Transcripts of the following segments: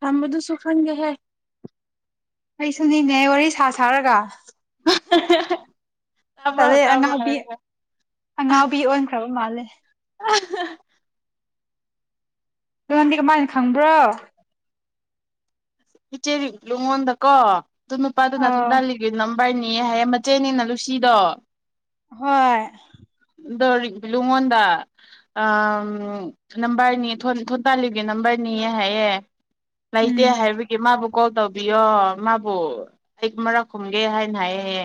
ꯊꯝꯕꯗꯨꯁꯨꯨꯈꯪꯒꯦꯍꯦ ꯑꯩꯁꯨꯅꯤꯅꯦ ꯋꯥꯔꯤ ꯁꯥ ꯁꯥꯔꯒ [inaudible] ꯆꯠꯂꯦ ꯇꯥꯕ꯭ꯔꯣ ꯑꯉꯥꯎꯕꯤ ꯍꯥꯏꯔꯒ ꯑꯉꯥꯎꯕꯤ ꯑꯣꯟꯈ꯭ꯔꯕ ꯃꯥꯜꯂꯦ [inaudible] ꯣ ꯅꯪꯗꯤ ꯀꯃꯥꯏꯅ ꯈꯪꯕ꯭ꯔꯣ ꯄꯆꯦꯔꯤ ꯂꯨꯉꯣꯗꯀꯣ ꯇꯅ ꯄ ꯑꯗꯨ ꯅꯁꯨ ꯑꯥ ꯗꯂꯤꯒꯤ ꯅ ꯚꯏꯅꯤ ꯍꯥꯏꯌꯦ ꯃꯆꯦꯅꯤꯅ ꯂꯨꯁꯤꯗꯣ ꯍꯣꯏ ꯑꯣ ꯂꯨꯉꯣꯟꯗ ꯎ ꯅꯝꯕꯔꯅꯤ ꯊꯣꯟꯇꯥꯂꯤꯒꯤ ꯅꯝꯕꯔꯅꯤꯌꯦ ꯍꯥꯏꯌꯦꯦ ꯂꯩꯇꯦ ꯎꯝ ꯍꯥꯏꯕꯒꯤ ꯃꯥꯕꯨ ꯀꯣꯜ ꯇꯧꯕꯤꯌꯣ ꯃꯥꯕꯨ ꯑꯩ ꯃꯔꯛ ꯈꯨꯝꯒꯦ ꯍꯥꯏꯅ ꯍꯥꯏꯌꯦ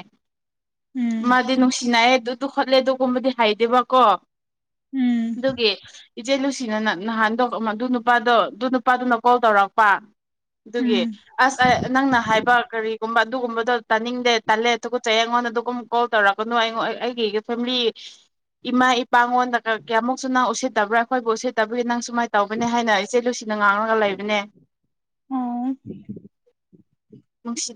ꯎꯝ ꯃꯥꯗꯤ ꯅꯨꯡꯁꯤꯅ ꯗꯨꯗꯨ ꯈꯠꯂꯦ ꯗꯨ ꯀꯨꯝꯕꯗꯤ ꯍꯥꯏꯗꯦꯕꯀꯣ ꯎꯝ ꯗꯨꯒꯤ ꯏꯆꯦ ꯂꯨꯁꯤꯅꯅ ꯅꯍꯥꯟꯗꯣ ꯑꯗꯨ ꯅꯨꯄꯥꯗꯣ ꯑꯗꯨ ꯅꯨꯄꯥꯗꯨꯅ ꯀꯣꯜ ꯇꯧꯔꯛꯄ ꯎꯝ ꯑꯗꯨꯒꯤ ꯑꯁ ꯅꯪꯅ ꯍꯥꯏꯕ ꯀꯔꯤ ꯨꯒꯨꯝꯕ ꯑꯗꯨꯒꯨꯝꯕꯗꯣ ꯇꯥꯅꯤꯡꯗꯦ ꯇꯜꯂꯦ ꯇꯨꯀꯠꯆꯩꯌꯦ ꯑꯩꯉꯣꯟꯗ ꯑꯗꯨꯒꯨꯝ ꯀꯣꯜ ꯇꯧꯔꯛꯀꯅꯨ ꯑꯩꯉ ꯑꯩꯒꯤ ꯐꯦꯃꯤꯂꯤ ꯏꯃꯥ ꯏꯄꯥꯉꯣꯟꯗ ꯀꯌꯥꯃꯨꯛꯁꯨ ꯅꯪ ꯎꯁꯤꯠꯇꯕ꯭ꯔꯥ ꯑꯩꯈꯣꯏꯕꯨ ꯎꯁꯤꯠꯇꯕꯒꯤ ꯅꯪ ꯁꯨꯃꯥꯏꯅ ꯇꯧꯕꯅꯤ ꯍꯥꯏꯅ ꯏꯆꯦ ꯂꯨꯁꯤ ꯅ ꯉꯥꯡꯂꯒ ꯂꯩꯕꯅꯦ ꯑꯣ ꯅꯨꯡꯁꯤ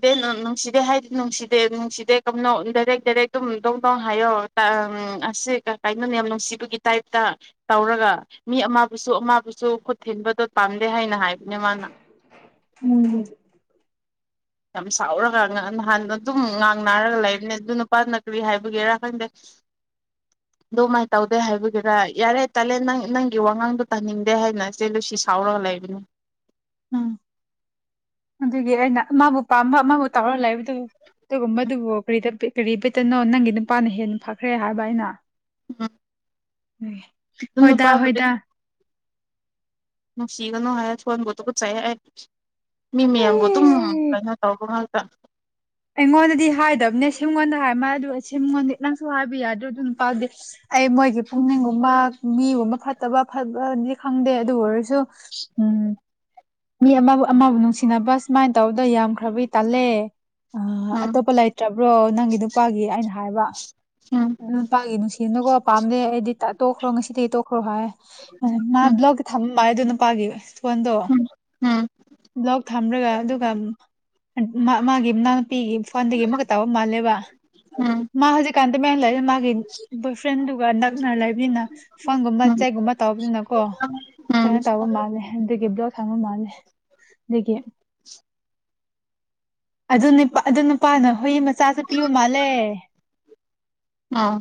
ꯅꯨꯡꯁꯤꯗꯦ ꯍꯥꯏꯗꯤ ꯅꯨꯡꯁꯤꯗꯦ ꯅꯨꯡꯁꯤꯗꯦ ꯀꯝꯅꯧ ꯗꯥꯏꯔꯦꯛ ꯗꯥꯏꯔꯦꯛ ꯑꯗꯨꯝ ꯗꯣꯡ ꯗꯣꯡ ꯍꯥꯏꯌꯣ ꯑꯁꯦ ꯀꯩꯅꯣꯅꯦ ꯌꯥꯝ ꯅꯨꯡꯁꯤꯕꯒꯤ ꯇꯥꯏꯞꯇ ꯇꯧꯔꯒ ꯃꯤ ꯑꯃꯕꯨꯁꯨ ꯑꯃꯕꯨꯁꯨ ꯈꯨꯠ ꯊꯤꯟꯕꯗꯣ ꯄꯥꯝꯗꯦ ꯍꯥꯏꯅ ꯍꯥꯏꯕ ꯎꯝ ꯌꯥꯝ ꯁꯥꯎꯔꯒ ꯅꯍꯥꯟ ꯑꯗꯨꯝ ꯉꯥꯡ ꯅꯥꯔꯒ ꯂꯩꯕꯅꯦ ꯑꯗꯨ ꯅꯨꯄꯥ ꯅ ꯀꯔꯤ ꯍꯥꯏꯕꯒꯤꯔꯥ ꯈꯪꯗꯦ ꯑꯗꯨꯃꯥꯏꯅ ꯇꯧꯗꯦ ꯍꯥꯏꯕꯒꯤꯔꯥ ꯌꯥꯔꯦ ꯇꯥꯂꯦ ꯅꯪ ꯅꯪꯒꯤ ꯋꯥꯉꯥꯡꯗꯣ ꯇꯥꯅꯤꯡꯗꯦ ꯍꯥꯏꯅ ꯏꯆꯦꯂꯨꯁꯤ ꯁꯥꯎꯔꯒ ꯂꯩꯕꯅꯦ ꯎꯝ ꯑꯗꯨꯒꯤ ꯑꯩꯅ ꯑꯃꯕꯨ ꯄꯥꯝꯕ ꯃꯥꯕꯨ ꯇꯥꯎꯔꯒ ꯂꯩꯕꯗꯨ ꯗꯨꯒꯨꯝꯕꯗꯨꯕꯨ ꯀꯔꯤꯗ ꯕꯤꯠ ꯀꯔꯤ ꯕꯤꯠꯇꯅꯣ ꯅꯪꯒꯤ ꯅꯨꯄꯥꯅ ꯍꯦꯟꯅ ꯐꯈ꯭ꯔꯦ ꯍꯥꯏꯕ ꯑꯩꯅ ꯎꯝ ꯑꯗꯨ ꯍꯣꯏꯗ ꯍꯣꯏꯗ ꯅꯨꯡꯁꯤꯒꯅꯣ ꯍꯥꯌꯔꯁꯨ [unintelligible] ꯇꯨꯀꯥꯠꯆꯩꯌꯦ ꯑꯩ ꯃꯤ ꯃꯌꯥꯝꯕꯨ ꯑꯗꯨꯝ ꯑꯦ ꯀꯩꯅꯣ ꯇꯧꯕ ꯇꯥ ꯑꯩꯉꯣꯟꯗꯗꯤ ꯍꯥꯏꯗꯕꯅꯦ ꯁꯤꯉꯣꯟꯗ ꯍꯥꯏ ꯃꯥ ꯑꯗꯨ ꯁꯤꯝꯉꯣꯟꯗꯤ ꯅꯪꯁꯨ ꯍꯥꯏꯕ ꯌꯥꯗ꯭ꯔꯣ ꯑꯗꯨ ꯅꯨꯄꯗꯤ ꯑꯩ ꯃꯣꯏꯒꯤ ꯄꯨꯛꯅꯤꯡꯒꯨꯝꯕ ꯃꯤꯒꯨꯝꯕ ꯐꯠꯇꯕ ꯐꯕꯗꯤ ꯈꯪꯗꯦ ꯑꯗꯨ ꯑꯣꯏꯔꯁꯨ ꯎꯝ ꯃꯤ ꯑꯃꯕꯨ ꯑꯃꯕꯨ ꯅꯨꯡꯁꯤꯅꯕ ꯁꯨꯃꯥꯏꯅ ꯇꯧꯗ ꯌꯥꯝ ꯈꯔꯕꯤ ꯇꯜꯂꯦ ꯎꯝ ꯑꯇꯣꯞꯄ ꯂꯩꯇ꯭ꯔꯕ꯭ꯔꯣ ꯅꯪꯒꯤ ꯅꯨꯄꯥꯒꯤ ꯑꯩꯅ ꯍꯥꯏꯕ ꯎꯝ ꯅꯨꯄꯥꯒꯤ ꯅꯨꯡꯁꯤꯅꯅꯨꯀꯣ ꯄꯥꯝꯗꯦ ꯑꯩꯗꯤ ꯇꯣꯛꯈ꯭ꯔꯣ ꯉꯁꯤꯗꯒꯤ ꯇꯣꯛꯈ꯭ꯔꯣ ꯍꯥꯏ ꯃꯥ ꯎꯝ ꯕ꯭ꯂꯣꯛ ꯃꯥꯥꯏ ꯑꯗꯨ ꯄꯒꯤ ꯐꯣꯟꯗꯣ ꯎꯝ ꯕꯂꯣꯛ ꯊꯝ꯭ꯔꯒ ꯑꯗꯨꯒ ꯃꯥ ꯃꯥꯒꯤ ꯅꯨꯄꯤꯒꯤ ꯐꯣꯟꯗꯒꯤ ꯑꯃꯨꯛꯀ ꯇꯧꯕ ꯃꯥꯜꯂꯦꯕ ꯎꯝ ꯃꯥ ꯍꯧꯖꯤꯛꯀꯥꯟꯗ ꯗꯨꯃꯥꯏ ꯂꯩꯔ ꯃꯥꯒꯤ ꯕꯣꯏ ꯐ꯭ꯔꯦꯟꯗꯨꯒ ꯅꯛꯅ ꯂꯩꯕꯅꯤꯅ ꯐꯣꯟꯒꯨꯝꯕ ꯎꯝ ꯎꯝ ꯆꯦꯛꯒꯨꯝꯕ ꯇꯧꯕꯅꯤꯅꯀꯣ ꯎꯝ ꯀꯩꯅꯣ ꯇꯧꯕ ꯃꯥꯜꯂꯦ ꯑꯗꯨꯒꯤ ꯕ꯭ꯂꯣꯛ ꯊꯥꯡꯕ ꯃꯥꯜꯂꯦ ꯗꯥꯒꯤ ꯑꯗꯨꯅꯤꯄꯥ ꯑꯗꯨ ꯅꯨꯄꯥꯅ ꯍꯨꯏ ꯃꯆꯥꯁꯨ ꯄꯤꯕ ꯃꯥꯜꯂꯦ ꯑꯥ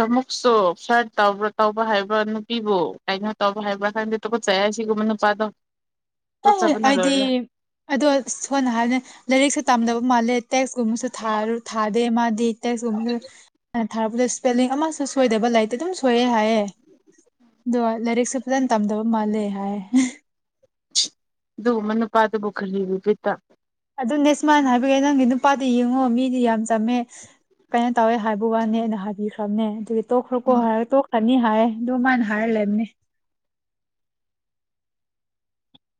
ꯑꯃꯨꯛꯁꯨ ꯐꯜꯔꯠ ꯇꯧꯕꯔ ꯇꯧꯕ ꯍꯥꯏꯕꯔꯥ ꯅꯨꯄꯤꯕꯨ ꯀꯩꯅꯣ ꯇꯧꯕ ꯍꯥꯏꯕ꯭ꯔꯥ ꯈꯪꯗꯦ ꯇꯨꯀꯠꯆꯩꯍꯦ ꯍꯥꯏ ꯁꯤꯒꯨꯝꯕ ꯅꯨꯄꯥꯗꯣ ꯑ ꯇꯨꯀꯠꯆꯕꯅ ꯑꯩꯗꯤ ꯂꯣꯏꯔꯦ ꯑꯗꯣ ꯁꯣꯟꯅ ꯍꯥꯏꯅꯤ ꯂꯥꯏꯔꯤꯛꯁꯨ ꯇꯝꯗꯕ ꯃꯥꯜꯂꯦ ꯇꯦꯛꯁꯀꯨꯝꯕꯁꯨ ꯊꯥ ꯊ ꯗꯦ ꯃꯥꯗꯤ ꯁꯨꯝꯃꯦ ꯊꯥꯛꯄꯗ ꯁ ꯏꯁꯄꯦꯂꯤꯡ ꯑꯃꯁꯨ ꯁꯣꯏꯗꯕ ꯂꯥꯏꯇꯦ ꯑꯗꯨꯝ ꯊꯣꯛꯑ ꯍꯥꯏ ꯂꯥꯏꯔꯛꯁꯦ ꯐꯖꯅ ꯇꯝꯗꯕ ꯃꯥꯜꯂꯦ ꯍꯥꯏ ꯑꯗꯨ ꯃꯦꯅꯨ ꯄꯥꯗ ꯕꯨꯈꯔ ꯍꯔꯤ ꯄꯤꯇꯥ ꯑꯗꯨ ꯅꯦꯁꯃꯅ ꯍꯥꯏꯕꯒꯤ ꯅꯪꯒꯤ ꯅꯨꯄꯥꯗꯤ ꯌꯦꯡꯉꯣ ꯃꯤꯗꯤ ꯌꯥꯝ ꯆꯝꯃꯦ ꯀꯩꯅꯣ ꯇꯧꯋꯦ ꯍꯥꯏꯕ ꯋꯥꯅꯤ ꯑꯩꯅ ꯍꯥꯏꯕꯤꯈ꯭ꯔꯕꯅꯦ ꯑꯗꯨ ꯇꯣꯛꯈ꯭ꯔꯣ ꯀꯣ ꯎꯝ ꯍꯥꯏꯔꯦ ꯇꯣꯛꯈ꯭ꯔꯅꯤ ꯍꯥꯏꯔꯦ ꯑꯗꯨ ꯃꯥꯅ ꯍꯥꯏꯔ ꯂꯩꯕꯅꯦ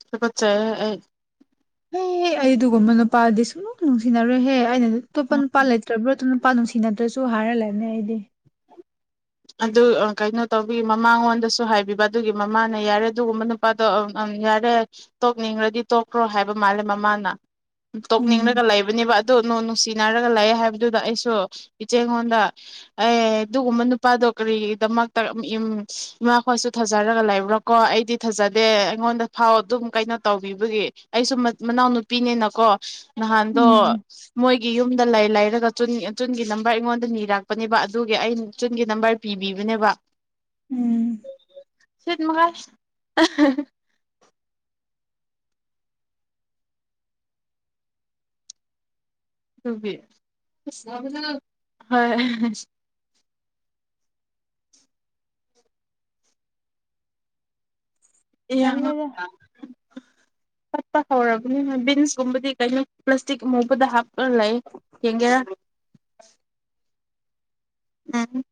ꯁꯤꯀꯠꯁꯦ ꯑꯩ ꯍꯦꯍ ꯑꯩ ꯑꯗꯨꯒꯒꯨꯝꯕ ꯅꯨꯄꯥꯗꯤ ꯁꯨꯡ ꯅꯨꯡꯁꯤꯅꯔꯣꯏꯍꯦ ꯑꯩꯅ ꯄ ꯄꯜꯂꯦꯠꯇ꯭ꯔꯕ꯭ꯔ ꯅꯨꯄꯥ ꯅꯨꯡꯁꯤꯅꯗ꯭ꯔꯁꯨ ꯍꯥꯏꯔꯜꯂꯅꯤ ꯑꯩꯗꯤ ꯑꯗꯨ ꯀꯩꯅꯣ ꯇꯧꯕꯤ ꯃꯃꯥꯡꯉꯣꯟꯗꯁꯨ ꯍꯥꯏꯕꯤꯕ ꯑꯗꯨꯒꯤ ꯃꯃꯥꯅ ꯌꯥꯔꯦ ꯑꯗꯨꯒꯨꯝꯕ ꯅꯨꯄꯥꯗꯣ ꯌꯥꯔꯦ ꯇꯣꯛꯅꯤꯡꯈ꯭ꯔꯗꯤ ꯇꯣꯛꯈ꯭ꯔꯣ ꯍꯥꯏꯕ ꯃꯥꯜꯂꯦ ꯃꯃꯥꯅ ꯎꯝ ꯇꯣꯛꯅꯤꯡꯂꯒ ꯂꯩꯕꯅꯦꯕ ꯑꯗꯨ ꯅꯣꯡ ꯅꯨꯡꯁꯤ ꯔꯒ ꯂꯥꯛꯑꯦ ꯍꯥꯏꯕꯗꯨꯗ ꯑꯩꯁꯨ ꯏꯆꯦꯉꯣꯟꯗ ꯑꯦ ꯑꯗꯨꯒꯨꯝꯕ ꯅꯨ ꯅꯨꯄꯥꯗꯣ ꯀꯔꯤꯒꯤꯗꯃꯛꯇ ꯏꯃꯥꯈꯣꯏꯁꯨ ꯊꯥꯖꯔꯒ ꯂꯩꯕ꯭ꯔꯣꯀꯣ ꯑꯩꯗꯤ ꯊꯥꯖꯗꯦ ꯑꯩꯉꯣꯟꯗ ꯐꯥꯎ ꯑꯗꯨꯝ ꯀꯩꯅꯣ ꯇꯧꯕꯤꯕꯒꯤ ꯑꯩꯁꯨ ꯃꯅꯥꯎꯅꯨꯄꯤꯅꯤꯅꯀꯣ ꯅꯍꯥꯟꯗꯣ ꯎꯝ ꯃꯣꯏꯒꯤ ꯌꯨꯝꯗ ꯂꯩ ꯂꯩꯔꯒ ꯆꯨꯟꯒꯤ ꯅꯝꯕꯔ ꯑꯩꯉꯣꯟꯗ ꯅꯤꯔꯛꯄꯅꯦꯕ ꯑꯗꯨꯒꯤ ꯑꯩ ꯆꯨꯟꯒꯤ ꯅꯝꯕꯔ ꯄꯤꯕꯤꯕꯅꯦꯕ ꯎꯝ ꯁꯤꯠꯃꯉꯥꯏ ꯑꯗꯨꯕꯤ ꯍꯣꯏ ꯑꯦ ꯌꯥ ꯇꯜꯂꯦꯗ ꯍꯥꯠꯄ ꯍꯧꯔꯕꯅꯤꯣꯏ ꯕꯤꯟꯁꯀꯨꯝꯕꯗꯤ ꯀꯩꯅꯣ ꯄ꯭ꯂꯥꯁꯇꯤꯛ ꯑꯃꯨꯕꯗ ꯍꯥꯞꯄ ꯂꯩ ꯌꯦꯡꯒꯦꯔꯥ ꯎꯝ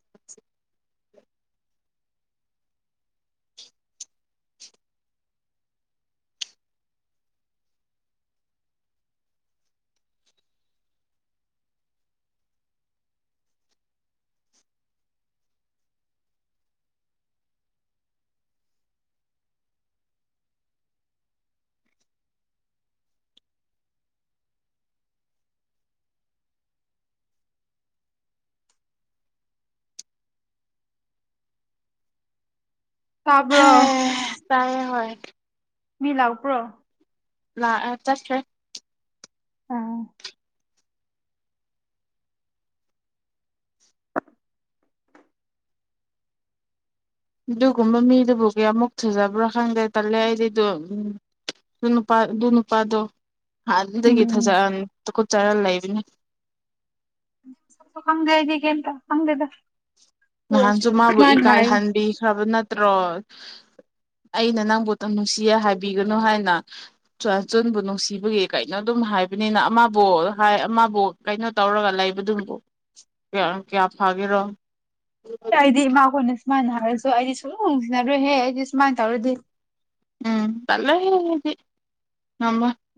[inaudible] ꯇꯕꯔ ꯑ ꯃꯤ ꯂꯥꯎꯄ꯭ꯔꯣ ꯂ ꯆꯁ꯭ꯔꯦ ꯑꯥ [inaudible] ꯑꯗꯨꯒꯨꯝꯕ ꯃꯤꯗꯨꯕꯨ ꯀꯌꯥꯃꯨꯛ ꯊꯨꯖꯕ꯭ꯔꯥ ꯈꯪꯗ꯭ꯔꯦ ꯇꯜꯂꯦ ꯑꯩꯗꯤꯗ ꯎ ꯑꯗꯨ ꯅꯨꯄꯥ ꯑꯗꯨ ꯅꯨꯄꯥꯗꯣ ꯍꯗꯒꯤ ꯏ ꯊꯖ ꯎꯝ ꯆꯔ ꯂꯩꯕꯅꯤ ꯀꯝꯒꯗꯤ ꯀꯦꯝꯇ ꯍꯪꯗ ꯅꯍꯥꯟꯁꯨ ꯃꯥꯕꯨ ꯏꯀꯥꯏꯍꯟꯕꯤꯈ꯭ꯔꯕ ꯅꯠꯇ꯭ꯔꯣ ꯑꯩꯅ ꯅꯪꯕꯨ ꯅꯨꯡꯁꯤꯌꯦ ꯍꯥꯏꯕꯤꯒꯅꯨ ꯍꯥꯏꯅ ꯆꯨꯔꯥꯟꯆꯟꯕꯨ ꯅꯨꯡꯁꯤꯕꯒꯤ ꯀꯩꯅꯣ ꯑꯗꯨꯝ ꯍꯥꯏꯕꯅꯤꯅ ꯑꯃꯕꯨ ꯍꯥꯏ ꯑꯃꯕꯨ ꯀꯩꯅꯣ ꯇꯧꯔꯒ ꯂꯩꯕꯗꯨꯕꯨ ꯀꯌꯥ ꯐꯥꯒꯦꯔꯣ ꯗꯤ ꯃꯥ ꯀꯅꯤ ꯁꯨꯃꯅ ꯍꯥꯏꯔꯁꯨ ꯑꯩꯗꯤ ꯁꯨꯝ ꯍꯣꯡꯁꯤꯟꯅꯔꯨꯍꯦ ꯑꯩꯗꯤ ꯁꯨꯃꯥꯏꯅ ꯇꯧꯔꯗꯤ ꯎꯝꯂꯦꯗꯤ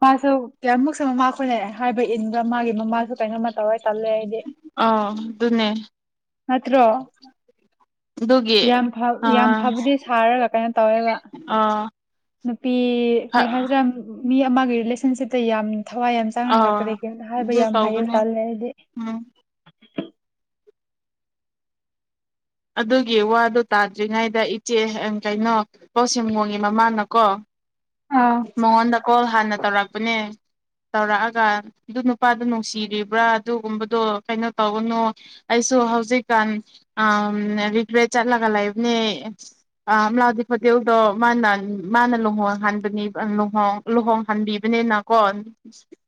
ꯃꯥꯁꯨ ꯀꯌꯥꯃꯨꯛꯁꯨ ꯃꯃꯥꯈꯣꯏꯅ ꯍꯥꯏꯕ ꯏꯟꯕ ꯃꯥꯒꯤ ꯃꯃꯥꯁꯨ ꯀꯩꯅꯣꯝꯃ ꯇꯧꯔ ꯇꯜꯂꯦ ꯑꯩꯗꯤ ꯑ ꯑꯗꯨꯅꯦ ꯍꯥꯠꯇ꯭ꯔꯣ ꯑꯗꯨꯒꯤ ꯌꯥꯝ ꯌꯥꯝ ꯑꯥ ꯐꯕꯗꯤ ꯁꯥꯔꯒ ꯀꯩꯅꯣ ꯇꯧꯋꯦꯕ ꯑꯥ ꯅꯨꯄꯤ ꯍꯥ ꯍꯥꯏꯁꯤꯔ ꯃꯤ ꯑꯃꯒꯤ ꯔꯤꯂꯦꯁꯟꯁꯤꯞꯇ ꯌꯥꯝꯅꯤ ꯊꯋꯥꯏ ꯌꯥꯝ ꯆꯥꯡꯅ ꯉꯥꯛꯀꯗ ꯑꯥ ꯀꯩꯝꯇ ꯍꯥꯏꯕ ꯑꯗꯨ ꯌꯥꯝ ꯍꯥꯏꯌꯦ ꯇꯧꯕꯅꯦ ꯇꯥꯜꯂꯦ ꯑꯩꯗꯤ ꯎꯝ ꯑꯗꯨꯒꯤ ꯋꯥꯗꯣ ꯇꯥꯗ꯭ꯔꯤꯉꯩꯗ ꯏꯆꯦ ꯀꯩꯅꯣ ꯄꯥꯎꯁꯦꯝꯒꯣꯡꯒꯤ ꯃꯃꯥꯅꯀꯣ ꯑꯥ ꯃꯉꯣꯟꯗ ꯀꯣꯜ ꯍꯥꯟꯅ ꯇꯧꯔꯛꯄꯅꯦ ꯇꯧꯔꯛꯑꯒ ꯑꯗꯨ ꯅꯨꯄꯥꯗꯨ ꯅꯨꯡꯁꯤꯔꯤꯕ꯭ꯔꯥ ꯑꯗꯨꯒꯨꯝꯕꯗꯣ ꯀꯩꯅꯣ ꯇꯧꯒꯅꯨ ꯑꯩꯁꯨ ꯍꯧꯖꯤꯛꯀꯥꯟ ꯎꯝ ꯔꯤꯒ꯭ꯔꯦꯠ ꯆꯠꯂꯒ ꯂꯩꯕꯅꯦ ꯑꯝꯂꯥꯎꯗꯤ ꯍꯣꯇꯦꯜꯗꯣ ꯃꯥꯅ ꯃꯥꯅ ꯂꯨꯍꯣꯡ ꯍꯟꯕꯅꯤ ꯂꯨꯍꯣꯡ ꯂꯨꯍꯣꯡꯍꯟꯕꯤꯕꯅꯤꯅꯀꯣ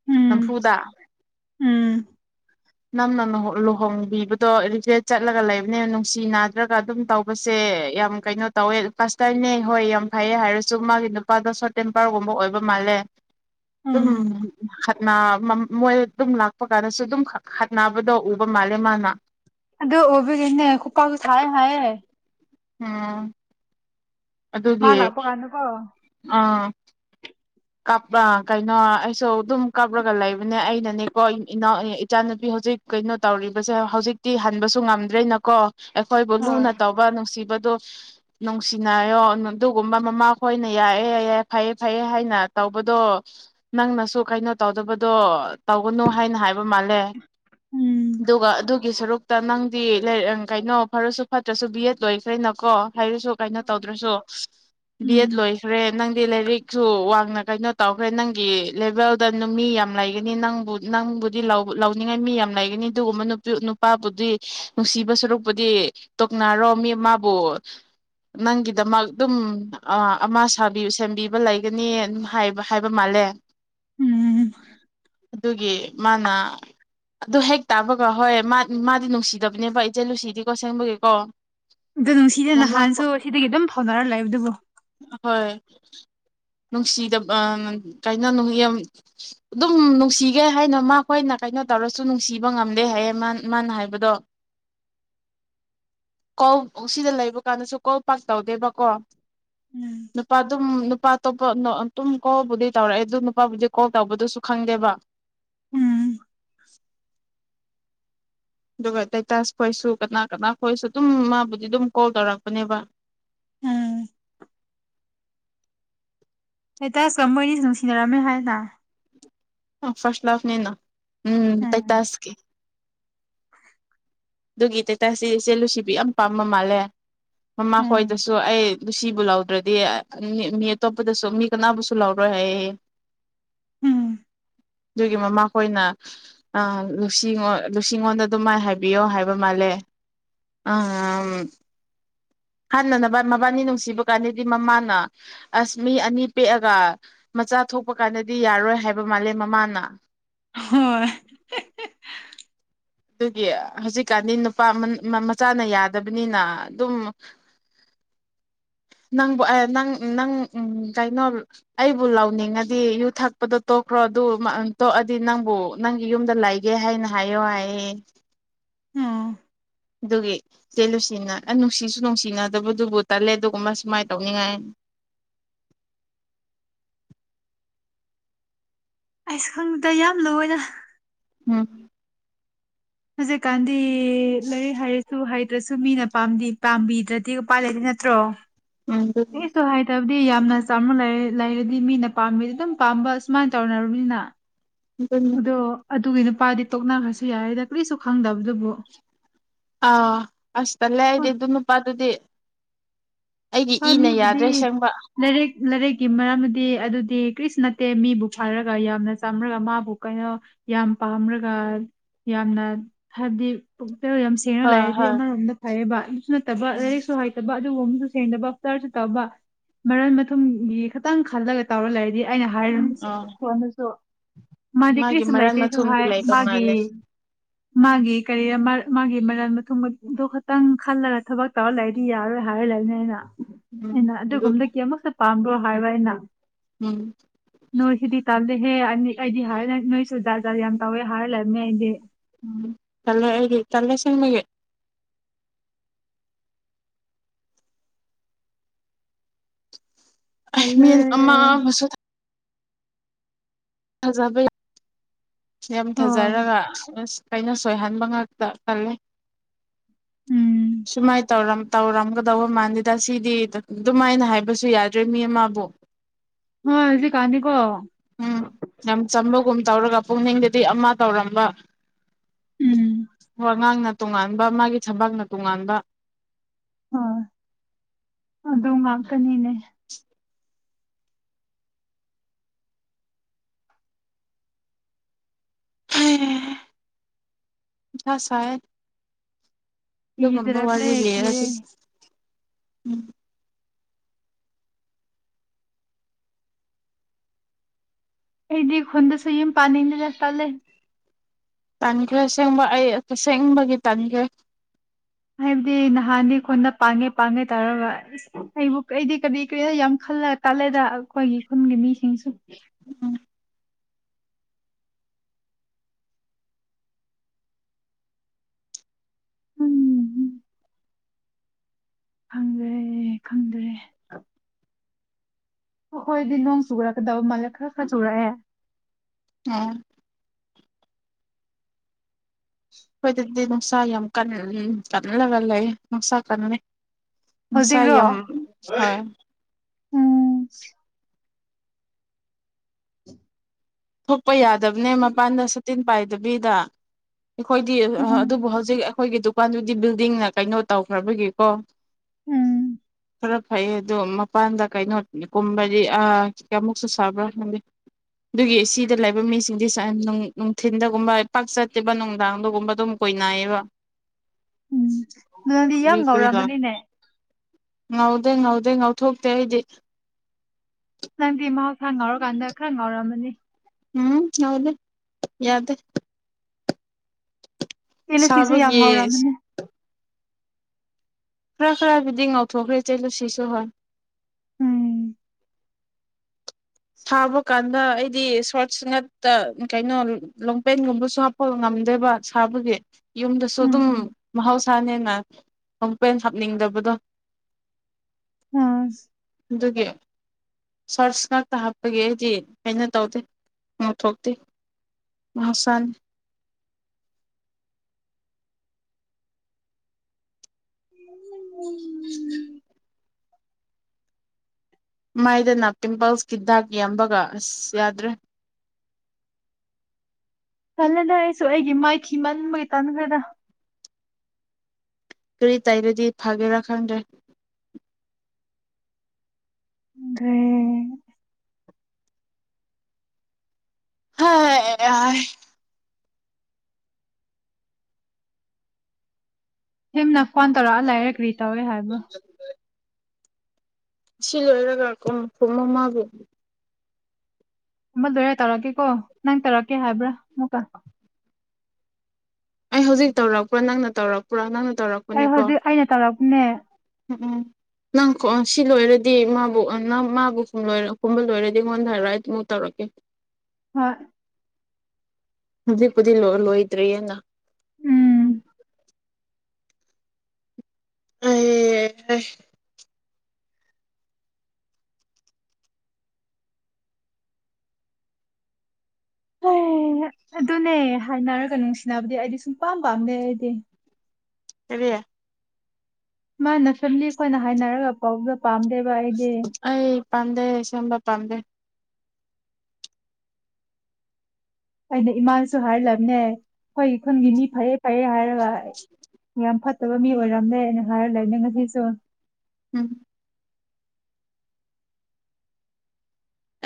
ꯎꯝ ꯅꯝꯐꯨꯗ ꯎꯝ ꯅꯝꯅ ꯂꯨꯍꯣꯡꯕꯤꯕꯗꯣ ꯑꯗꯨꯁꯦ ꯆꯠꯂꯒ ꯂꯩꯕꯅꯦ ꯁꯤ ꯅꯥꯗ꯭ꯔꯒ ꯑꯗꯨꯝ ꯇꯧꯕꯁꯦ ꯌꯥꯝ ꯀꯩꯅꯣ ꯇꯧꯋꯦ ꯀꯥꯁꯇꯔꯅꯦ ꯍꯣꯏ ꯌꯥꯝ ꯐꯩꯌꯦ ꯍꯥꯏꯔꯁꯨ ꯃꯥꯒꯤ ꯅꯨꯄꯥꯗꯣ ꯁꯣꯔꯠ ꯑꯦꯦꯝ ꯄꯔꯒꯨꯝꯕ ꯑꯣꯏꯕ ꯃꯥꯜꯂꯦ ꯎ ꯎꯝ ꯃꯣꯏ ꯑꯗꯨꯝ ꯂꯥꯛꯄ ꯀꯥꯟꯗꯁꯨ ꯑꯗꯨꯝ ꯈꯠꯅꯕꯗꯣ ꯎꯕ ꯃꯥꯜꯂꯦ ꯃꯥꯅ ꯑꯗꯨꯗꯣ ꯑꯣꯕ ꯀꯅꯦ ꯈꯄꯒ ꯁ ꯍꯥꯏꯦ ꯑꯝ ꯃꯥ ꯂꯥꯛꯄ ꯀꯥꯟꯅꯀꯣ ꯑꯥ ꯀꯞ ꯀꯩꯅꯣ ꯑꯩꯁꯨ ꯑꯗꯨꯝ ꯀꯥꯞꯔꯒ ꯂꯩꯕꯅꯦ ꯑꯩꯅꯅꯦꯀꯣ ꯏꯅꯥꯎ ꯏꯆꯥꯅꯨꯄꯤ ꯍꯧꯖꯤꯛ ꯀꯩꯅꯣ ꯇꯧꯔꯤꯕꯁꯦ ꯍꯧꯖꯤꯛꯇꯤ ꯍꯟꯕꯁꯨ ꯉꯝꯗ꯭ꯔꯦꯅꯀꯣ ꯑꯩꯈꯣꯏꯕꯨ ꯂꯨꯅ ꯇꯧꯕ ꯅꯨꯡꯁꯤꯕ ꯑꯗꯨ ꯅꯨꯡꯁꯤꯅꯌꯣ ꯑꯗꯨꯒꯨꯝꯕ ꯃꯃꯥꯈꯣꯏꯅ ꯌꯥꯏꯑꯦ ꯌꯥꯏꯌꯦꯦ ꯐꯩꯌꯦ ꯐꯩꯌꯦ ꯍꯥꯏꯅ ꯇꯧꯕꯗꯣ ꯅꯪꯅꯁꯨ ꯀꯩꯅꯣ ꯇꯧꯗꯕꯗꯣ ꯇꯧꯒꯅꯨ ꯍꯥꯏꯅ ꯍꯥꯏꯕ ꯃꯥꯂꯦ ꯎꯝ ꯑꯗꯨꯒ ꯑꯗꯨ ꯒꯤ ꯁꯔꯨꯛꯇ ꯅꯪꯗꯤ ꯀꯩꯅꯣ ꯐꯔꯁꯨ ꯐꯠꯇ꯭ꯔꯁꯨ ꯕꯤ ꯑꯦꯗ ꯂꯣꯏꯈ꯭ꯔꯦꯩꯅ ꯀꯣ ꯍꯥꯏꯔꯁꯨ ꯀꯥꯏꯅꯣ ꯇꯧꯗ꯭ꯔꯁꯨ ꯕꯤ ꯑꯦꯗ ꯎꯝ ꯂꯣꯏꯈ꯭ꯔꯦ ꯅꯪꯗꯤ ꯂꯥꯏꯔꯤꯛꯁꯨ ꯋꯥꯡꯅ ꯀꯩꯅꯣ ꯇꯧꯈ꯭ꯔꯦ ꯅꯪꯒꯤ ꯂꯦꯚꯦꯜꯗ ꯃꯤ ꯌꯥꯝ ꯂꯩꯒꯅꯤ ꯅꯪꯕꯨ ꯅꯪꯕꯨꯗꯤ ꯂꯧꯅꯤꯡꯉꯥꯏ ꯃꯤ ꯌꯥꯝ ꯂꯩꯒꯅꯤ ꯑꯗꯨꯒꯨꯝꯕ ꯅꯨꯄꯤ ꯅꯨꯄꯥꯕꯨꯗꯤ ꯅꯨꯡꯁꯤꯕ ꯁꯔꯨꯛꯄꯨꯗꯤ ꯇꯣꯛꯅꯔꯣ ꯃꯤ ꯃꯥꯕꯨ ꯅꯪꯒꯤꯗꯃꯛ ꯑꯗꯨꯝ ꯑꯃꯥ ꯁꯥꯕꯤ ꯁꯦꯝꯕꯤꯕ ꯂꯩꯒꯅꯤ ꯍꯥꯏꯕ ꯍꯥꯏꯕ ꯃꯥꯜꯂꯦ ꯎꯝ ꯑꯗꯨꯒꯤ ꯃꯥꯅ ꯑꯗꯨ ꯍꯦꯛ ꯇꯥꯕꯒ ꯍꯣꯏ ꯃꯥꯗꯤ ꯅꯨꯡꯁꯤꯗꯕꯅꯦꯕ ꯏꯆꯦ ꯂꯨꯁꯤꯗꯤꯀꯣ ꯑꯁꯦꯡꯕꯒꯤꯀꯣ ꯑꯗꯣ ꯅꯨꯡꯁꯤꯗ ꯅꯍꯥꯟꯁꯨ ꯁꯤꯗꯒꯤ ꯑꯗꯨꯝ ꯐꯥꯎꯅꯔ ꯂꯩꯥꯛꯑꯦꯕ ꯑꯗꯨꯕꯨ ꯍꯣꯏ ꯅꯨꯡꯁꯤꯗꯕ ꯎ ꯀꯩꯅꯣ ꯑꯗꯨꯝ ꯅꯨꯡꯁꯤꯒꯦ ꯍꯥꯏꯅ ꯃꯥꯈꯣꯏꯅ ꯀꯩꯅꯣ ꯇꯧꯔꯁꯨ ꯅꯨꯡꯁꯤꯕ ꯉꯝꯗꯦ ꯍꯥꯏꯌꯦ ꯃꯥꯅ ꯍꯥꯏꯕꯗꯣ ꯀꯣ ꯁꯤꯗ ꯂꯩꯕ ꯀꯥꯟꯗꯁꯨ ꯀꯧꯜ ꯄꯥꯛ ꯇꯧꯗꯦꯕꯀꯣ ꯎꯝ ꯅꯨꯄꯥ ꯑꯗꯨꯝ ꯅꯨꯄꯥ ꯑꯇꯣꯞꯄꯅ ꯑꯗꯨꯨꯝ ꯀꯣꯜꯕꯨꯗꯤ ꯇꯧꯔꯛꯑꯦ ꯑꯗꯨ ꯅꯨꯄꯥꯕꯨꯗꯤ ꯀꯣꯜ ꯇꯧꯕꯗꯨꯁꯨ ꯈꯪꯗꯦꯕ꯫ ꯎꯝ [inaudible] ꯑꯗꯨꯒ ꯇꯥꯏꯇꯥꯁ ꯈꯣꯏꯁꯨ ꯀꯅꯥ-ꯀꯅꯥ ꯈꯣꯏꯁꯨ ꯑꯗꯨꯝ ꯃꯥꯕꯨꯗꯤ ꯑꯗꯨꯝ ꯀꯣꯜ ꯇꯧꯔꯛꯄꯅꯦꯕ꯫ ꯎꯝ ꯍꯩꯇꯥꯁꯀ ꯃꯣꯏꯅꯤ ꯅꯨꯡꯁꯤꯅꯔꯝꯃꯦ ꯍꯥꯏꯅ꯫ ꯍꯝ ꯐꯔꯁ ꯂꯥꯐ ꯅꯤꯅ꯫ ꯎꯝ ꯇꯩꯇꯥꯥꯁ ꯀꯤ ꯗꯨꯒꯤ ꯇꯩꯇꯥꯁꯁꯤ ꯏꯆꯦ ꯂꯨꯁꯤꯕꯤ ꯌꯥꯝ ꯄꯥꯝꯕ ꯃꯥꯜꯂꯦ꯫ ꯃꯃꯥ ꯎꯝ ꯍꯣꯏꯗꯁꯨ ꯑꯩ ꯂꯨꯁꯤꯕꯨ ꯂꯧꯗ꯭ꯔꯗꯤ ꯃꯤ ꯑꯇꯣꯞꯄꯗꯁꯨ ꯃꯤ ꯀꯅꯥꯕꯨꯁꯨ ꯂꯧꯔꯣꯏ ꯍꯥꯏꯌꯦ ꯌꯦ ꯎꯝ ꯑꯗꯨꯒꯤ ꯃꯃꯥꯈꯣꯏꯅ ꯑ ꯂꯨꯁꯤꯉꫭ ꯂꯨꯁꯤꯉꯣꯟꯗ ꯑꯗꯨꯃꯥꯏꯅ ꯍꯥꯏꯕꯤꯌꯣ ꯍꯥꯏ꯫ ꯕ ꯃꯥꯜꯂꯦ ꯑꯥꯝ ꯍꯥꯟꯅ ꯅꯕꯥ ꯃꯕꯥꯅꯤ ꯅꯨꯡꯁꯤꯕ ꯀꯥꯟꯗꯗꯤ ꯃꯃꯥꯅ ꯑꯁ ꯃꯤ ꯑꯅꯤ ꯄꯦꯛꯑꯒ ꯃꯆꯥ ꯊꯣꯛꯄ ꯀꯥꯟꯗꯗꯤ ꯌꯥꯔꯣꯏ ꯍꯥꯏꯕ ꯃꯥꯜꯂꯦ ꯃꯃꯥꯅ꯫ ꯍꯣꯏ꯫ ꯑꯗꯨꯒꯤ ꯍꯧꯖꯤꯛꯀꯥꯟꯗꯤ ꯅꯨꯄꯥ ꯃ ꯃ ꯃꯆꯥꯅ ꯌꯥꯗꯕꯅꯤꯅ ꯑꯗꯨꯝ ꯅꯪꯕꯨ ꯑ ꯅꯪ ꯅꯪ ꯀꯩꯅꯣ ꯑꯩꯕꯨ ꯂꯥꯎꯅꯤꯡꯑꯗꯤ ꯌꯨ ꯊꯛꯄꯗꯣ ꯇꯣꯛꯈ꯭ꯔꯣ ꯑꯗꯨ ꯃ ꯑ ꯇꯣꯛꯑꯗꯤ ꯅꯪꯕꯨ ꯅꯪꯒꯤ ꯌꯨꯝꯗ ꯂꯩꯒꯦ ꯍꯥꯏꯅ ꯍꯥꯏꯌꯣ ꯍꯥꯏꯌꯦ꯫ ꯎꯝ ꯑꯗꯨꯒꯤ ꯆꯦꯂꯨꯁꯤꯅ ꯑ ꯅꯨꯡꯁꯤꯁꯨ ꯅꯨꯡꯁꯤꯅꯗꯕꯗꯨꯕꯨ ꯇꯜꯂꯦ ꯑꯗꯨꯒꯨꯝꯕ ꯁꯨꯃꯥꯏꯅ ꯇꯧꯅꯤꯡꯉꯥꯏ ꯑꯁ ꯈꯪꯗ ꯌꯥꯝ ꯂꯨꯋꯦꯗ꯫ ꯎꯝ ꯍꯧꯖꯤꯀꯥꯟ ꯗꯤ ꯂꯩꯔꯤꯛ ꯍꯥꯏꯔꯁꯨ ꯍꯩ ꯗ꯭ꯔꯁꯨ ꯃꯤꯅ ꯄꯥꯝꯗꯤ ꯄꯥꯝꯕꯤꯗ꯭ꯔꯗꯤ ꯎꯄꯥ ꯂꯩꯇꯦ ꯅꯠꯇ꯭ꯔꯣ꯫ ꯎꯝ ꯑꯗꯨꯅꯤ ꯑꯦꯁꯨ ꯍꯥꯏꯗ ꯗꯤ ꯌꯥꯝꯅ ꯆꯝꯅ ꯂꯩ ꯂꯩꯔꯗꯤ ꯃꯤꯅ ꯄꯥꯝꯑꯗꯤ ꯑꯗꯨꯝ ꯄꯥꯝꯕ ꯁꯨꯃꯥꯏꯅ ꯇꯧꯅꯔꯕꯅꯤꯅ ꯑꯗꯣ [inaudible] ꯑꯗꯨꯒꯤ ꯅꯨꯄꯥꯗꯤ ꯇꯣꯛꯅꯈ꯭ꯔꯁꯨ ꯌꯥꯏꯗ ꯀꯔꯤꯁꯨ ꯈꯪꯗꯕꯗꯨꯕꯨ꯫ ꯑꯥ ꯑꯁ ꯇꯜꯂꯦ ꯍꯣꯏ ꯑꯩꯗꯤ ꯑꯗꯨ ꯅꯨꯄꯥꯗꯨꯗꯤ꯫ ꯑꯩꯒꯤ ꯍꫭꯏ ꯏꯅ ꯃꯤꯕꯨꯗꯤ ꯌꯥꯗ꯭ꯔꯦ ꯁꯦꯡꯕ ꯂꯥꯏꯔꯤꯛ ꯂꯥꯏꯔꯤꯛꯀꯤ ꯃꯔꯝꯗꯤ ꯑꯗꯨꯗꯤ ꯀ꯭ꯔꯤꯁꯨ ꯅꯠꯇꯦ ꯃꯤꯕꯨ ꯐꯔꯒ ꯌꯥꯝꯅ ꯆꯥꯝꯔꯒ ꯃꯥꯕꯨ ꯀꯩꯅꯣ ꯌꯥꯝ ꯄꯥꯝꯔꯒ ꯌꯥꯝꯅ ꯍꯥꯏꯕꯗꯤ ꯄꯨꯛꯆꯦꯜ ꯌꯥꯝ ꯁꯦꯡꯔ ꯍꯣꯏ ꯂꯩꯔꯗꯤ ꯍꯣꯏ ꯑꯃꯔꯣꯝꯗ ꯐꯩꯌꯦꯕ꯫ ꯑꯗꯨꯁꯨ ꯅꯠꯇꯕ ꯂꯥꯏꯔꯤꯛꯁꯨ ꯍꯩꯇꯕ [inaudible] ꯊꯦꯡꯅꯕ ꯗꯔꯁꯨꯇꯕ ꯃꯔꯟ ꯃꯊꯨꯝꯒꯤ ꯈꯤꯇꯪ ꯈꯜꯂꯒ ꯇꯧꯔ ꯂꯩꯔꯗꯤ ꯑꯩꯅ ꯍꯥꯏꯔꯃꯤꯁ ꯑꯥ ꯐꯣꯟꯗꯁꯨ ꯃꯥꯗꯤ ꯃꯥꯒꯤ ꯀꯔꯤꯁꯨ ꯃꯔꯟ ꯂꯩꯇꯦꯁꯨ ꯃꯊꯨꯝꯗꯤ ꯍꯥꯏ ꯂꯩꯕ ꯃꯥꯒꯤ ꯃꯥꯜꯂꯦ ꯃꯥꯒꯤ ꯀꯔꯤꯔ ꯃꯥꯒꯤ ꯃꯔꯜ ꯃꯊꯨꯡꯗꯨ ꯈꯛꯇꯪ ꯈꯜꯂꯒ ꯊꯕꯛ ꯇꯧꯔ ꯂꯩꯔꯗꯤ ꯌꯥꯔꯣꯏ ꯍꯥꯏꯔ ꯂꯥꯏꯕꯅꯦ ꯑꯎꯅ꯫ ꯍꯦꯟꯅ ꯎꯝ ꯑꯗꯨꯒꯨꯝꯗ ꯑꯗꯨꯅꯦ ꯀꯌꯥꯃꯨꯛꯁꯨ ꯄꯥꯝꯕ꯭ꯔꯣ ꯍꯥꯏꯕ ꯑꯩꯅ ꯎꯝ ꯅꯨꯣꯍꯤꯍꯤꯗꯤ ꯇꯜꯗ ꯍꯦ ꯑꯅꯤ ꯑꯩꯗꯤ ꯍꯥꯏꯔ ꯅꯣꯏꯁꯨ ꯖꯥꯠꯖꯥꯗ ꯌꯥꯝ ꯇꯧꯋꯦ ꯍꯥꯏꯔ ꯂꯩꯔꯝꯃꯦ ꯑꯩꯗꯤ ꯇꯂꯦ ꯑꯩꯗꯤ ꯇꯂꯦ ꯁꯤꯤꯡꯃꯒꯤ ꯇꯜꯂꯦ ꯃꯤ ꯑꯃ ꯍꯧꯁ ꯖꯥꯕꯩ ꯌꯥꯝ ꯍꯣꯏ ꯐꯖꯔꯒ ꯑꯁ ꯀꯩꯅ ꯁꯣꯏꯍꯟꯕ ꯉꯥꯛꯇ ꯀꯜꯂꯦ ꯎꯝ ꯁꯨꯃꯥꯏ ꯇꯧꯔꯝ ꯇꯧꯔꯝꯒꯗꯧꯕ ꯃꯥꯟꯂꯦꯗ ꯁꯤꯗꯤ ꯑꯗꯨꯃꯥꯏꯅ ꯍꯥꯏꯕꯁꯨ ꯌꯥꯗ꯭ꯔꯦ ꯃꯤ ꯑꯃꯕꯨ ꯍ ꯍꯧꯖꯤꯛ ꯀꯥꯥꯟꯅꯤꯀꯣ ꯎꯝ ꯌꯥꯝ ꯆꯝꯕꯒꯨꯝ ꯇꯧꯔꯒ ꯄꯨꯛꯅꯤꯡꯗꯗꯤ ꯑꯃ ꯇꯧꯔꯝꯕ ꯎꯝ ꯋꯥ ꯉꯥꯡ ꯅ ꯇꯣꯉꯥꯟꯕ ꯃꯥꯒꯤ ꯊꯕꯥꯛꯅ ꯇꯣꯉꯥꯟꯕ ꯍꯣꯏ ꯑꯗꯨꯣꯝ ꯉꯥꯛꯇꯅꯤꯅꯦ [inaudible] ꯌꯥꯁꯥꯏꯠ ꯑꯗꯨꯒꯝꯕ ꯀꯤꯗꯔꯛꯂꯦ ꯋꯥꯔꯤꯦ ꯂꯩꯔ ꯀꯤꯔꯦ ꯑꯗꯨ ꯎꯝ ꯑꯩꯗꯤ ꯈꯨꯟꯗꯁꯨ ꯌꯨꯝ ꯄꯥꯟꯅꯤꯗꯦꯗ ꯇꯜꯂꯦ ꯇꯥꯟꯈ꯭ꯔꯦ ꯑꯁꯦꯡꯕ ꯑꯩ ꯑꯁꯦꯡꯕꯒꯤ ꯇꯟꯈ꯭ꯔꯦ ꯍꯥꯏꯕꯗꯤ ꯅꯍꯥꯟꯗꯤ ꯈꯨꯣꯟꯗ ꯄꯥꯟꯒꯦ ꯄꯥꯟꯒꯦ ꯇꯥꯔꯒ ꯑꯩꯕꯨ ꯑꯩꯗꯤ ꯀꯔꯤ ꯀꯔꯤ ꯌꯥꯝ ꯈꯜꯂ ꯇꯥꯜꯂꯦꯗ ꯑꯩꯈꯣꯏꯒꯤ ꯈꯨꯟꯒꯤ ꯃꯤꯁꯤꯡꯁꯨ [inaudible] ꯎꯝ ꯎꯝ ꯈꯪꯗ꯭ꯔꯦ ꯈꯪꯗ꯭ꯔꯦ ꯑꯩꯈꯣꯏꯗꯤ ꯅꯣꯡ ꯆꯨꯨꯔꯛꯀꯗꯕ ꯃꯥꯜꯂꯦ ꯈꯔ ꯈꯔ ꯆꯨꯔꯛꯑꯦ ꯑꯥ ꯑꯩꯈꯣꯏꯗꯗꯤ ꯅꯨꯡꯁꯥ ꯌꯥꯝ ꯀꯟꯅ ꯀꯜꯂꯒ ꯂꯩ ꯅꯨꯡꯁꯥ ꯀꯟꯅꯟꯅꯩ ꯉꯅꯨꯡꯁꯥꯏ ꯍꯧꯖꯤꯛꯔꯣ ꯌꯥꯝ ꯍꯣꯏ ꯎꯝ [inaudible] ꯊꯣꯛꯛꯄ ꯌꯥꯗ ꯗꯕꯅꯦ ꯃꯄꯥꯟꯗ ꯇꯤꯟ ꯄꯥꯏꯗꯕꯤꯗ ꯑꯩꯈꯣꯏꯗꯤ ꯎꯝ ꯑꯗꯨꯕꯨ ꯍꯧꯖꯤꯛ ꯑꯩꯈꯣꯏꯒꯤ ꯗꯨꯀꯥꯟꯗꯨꯗꯤ ꯕꯤꯜꯗꯤꯡꯅ ꯀꯩꯅꯣ ꯇꯧꯈ꯭ꯔꯕꯒꯤꯀꯣ ꯎꯝ ꯈꯔ ꯐꯩꯌꯦ ꯑꯗꯣ ꯃꯄꯥꯟꯗ ꯀꯩꯅꯣ ꯀꯨꯝꯕꯗꯤ ꯀꯌꯥꯃꯨꯛꯁꯨ ꯁꯥꯕ꯭ꯔꯥ ꯈꯪꯗꯦ ꯑꯗꯨꯒꯤ ꯁꯤꯗ ꯂꯩꯕ ꯃꯤꯁꯤꯡꯗꯤ ꯅꯨꯡꯊꯤꯟꯗꯒꯨꯝꯕ ꯄꯥꯛ ꯆꯠꯇꯦꯕ ꯅꯨꯡꯗꯥꯡꯗꯒꯨꯝꯕ ꯑꯗꯨꯝ ꯀꯣꯏꯅꯥꯏꯌꯦꯕ ꯎꯝ ꯑꯗꯨꯅꯗꯤ ꯌꯥꯝ ꯀꯔꯤ ꯀꯔꯤ ꯂꯥꯛ ꯉꯧꯔꯛꯑꯝꯕꯅꯤꯅꯦ ꯉꯧꯗꯦ ꯉꯧꯗꯦ ꯉꯧꯊꯣꯛꯇꯦ ꯑꯩꯗꯤ ꯅꯪꯗꯤ ꯃꯍꯧꯁꯥ ꯉꯥꯎꯔꯀꯥꯟꯗ ꯈꯔ ꯉꯥꯎꯔꯛꯝꯃꯅꯤ ꯎꯝ ꯍꯥꯎꯗ ꯌꯥꯗ ꯇꯂ ꯐꯁꯨꯦ ꯌꯥꯡ ꯁꯥꯕꯒꯤ ꯉꯧꯔꯃꯅꯦ ꯈꯔ ꯈꯔꯕꯨꯗꯤ ꯉꯧꯊꯣꯛꯈ꯭ꯔꯦ ꯆꯠꯂꯨ ꯁꯤꯁꯨ ꯍꯣꯏ ꯎꯝ ꯁꯥꯕ ꯀꯥꯟꯗ ꯑꯩꯗꯤ ꯁꯣꯔꯠ ꯁ ꯉꯠꯇ ꯀꯩꯅꯣ ꯂꯣꯡꯄꯦꯟꯒꯨꯝꯕꯁꯨ ꯍꯥꯞꯄ ꯉꯝꯗꯦꯕ ꯁꯥꯕꯒꯤ ꯌꯨꯝꯗꯁꯨ ꯑꯗꯨꯝ ꯎꯝ ꯃꯍꯧꯁꯥꯅꯦꯅ ꯂꯣꯡꯄꯦꯟ ꯍꯥꯞꯅꯤꯡꯗꯕꯗꯣ ꯎꯝ ꯎꯝ ꯑꯗꯨꯗꯒꯤ ꯁꯔꯁꯅ ꯇ ꯍꯥꯞꯄꯒꯤ ꯑꯩꯗꯤ ꯑꯩꯅ ꯇꯧꯗꯦ ꯉꯊꯣꯛꯇꯦ ꯃꯍꯧꯁꯥꯅꯤ ꯎ ꯃꯥꯏꯗꯅ ꯄꯤꯝꯄꯜꯁꯀꯤ ꯗꯥꯛ ꯌꯥꯝꯕꯒ ꯑꯁ ꯌꯥꯗ꯭ꯔꯦ ꯈꯜꯂꯦꯗ ꯑꯩꯁꯨ ꯑꯩꯒꯤ ꯃꯥꯏꯈꯤꯤ ꯃꯟꯕꯒꯤ ꯇꯥꯟꯈ꯭ꯔꯗ ꯀꯔꯤ ꯇꯥꯏꯕꯗꯤ ꯐꯒꯦ ꯔ ꯈꯪꯒꯦ ꯍꯥ ꯍꯅ ꯐꯣꯟ ꯇꯧꯔꯛ ꯂꯥꯏꯔꯛꯔꯤꯁ ꯇꯧꯋꯦ ꯍꯥꯏꯕ ꯁꯤ ꯂꯣꯏꯔꯒ ꯀꯣ ꯃꯃꯥꯕꯨ ꯑꯃꯜ ꯂꯣꯏꯔꯦ ꯇꯧꯔꯛꯒꯦꯀꯣ ꯅꯪ ꯇꯧꯔꯛꯀꯦ ꯍꯥꯏꯕ꯭ꯔꯥ ꯑꯃꯨꯛ ꯑꯩ ꯍꯧꯖꯤꯛ ꯇꯧꯔꯛꯄ꯭ꯔꯥ ꯅꯪꯅ ꯇꯧꯔꯛꯄ꯭ꯔꯥ ꯅꯪꯅ ꯑꯩ ꯇꯧꯔꯛꯄꯅꯦꯀꯣ ꯍꯧꯖꯤꯛ ꯑꯩꯅ ꯇꯧꯔꯛꯄꯅꯦ ꯎꯝ ꯎꯝꯪ ꯑꯣ ꯁꯤ ꯂꯣꯏꯔꯗꯤ ꯃꯥꯕꯨ ꯅꯪ ꯃꯥꯕꯨ ꯁꯣꯏ ꯀꯨꯝꯕ ꯂꯣꯏꯔꯗꯤ ꯑꯩꯉꯣꯟꯗ ꯍꯥꯏꯔꯗ ꯑꯃꯨꯛ ꯇꯧꯔꯛꯀꯦ ꯍꯣꯏ ꯂꯤ ꯄꯨꯗꯤ ꯂꯣꯏꯍꯤꯔꯤꯌꯦ ꯅ ꯎꯝ ꯑ ꯍꯣꯏ ꯑꯗꯨꯅꯦ ꯍꯥꯏꯅꯔꯒ ꯅꯨꯡꯁꯤꯅꯕꯗꯤ ꯑꯩꯗꯤ ꯁꯨꯝ ꯄꯥꯝ ꯄꯥꯝꯅꯦ ꯑꯩꯗꯤ ꯁꯤꯔꯤ ꯃꯥꯅ ꯐꯦꯃꯤꯂꯤ ꯑꯩꯣꯏꯅ ꯍꯥꯏꯅꯔꯒ ꯄꯥꯎꯖ ꯄꯥꯝꯗꯦꯕꯏꯒꯦ ꯄꯗꯦ ꯁꯝꯕ ꯄꯗꯦ ꯑꯩꯅ ꯏꯃꯥꯟꯁꯨ ꯍꯥꯏꯔꯂꯕꯅꯦ ꯑꯩꯈꯣꯏ ꯈꯨꯜꯒꯤ ꯃꯤ ꯐꯩꯌꯦ ꯐꯩꯦ ꯍꯥꯏꯔꯒ ꯌꯥꯝ ꯐ ꯐꯠꯇꯕ ꯃꯤ ꯑꯣꯏꯔꯝꯃꯦꯅ ꯍꯥꯏꯔ ꯂꯩꯅꯦ ꯉꯁꯤꯁꯨ ꯎꯝ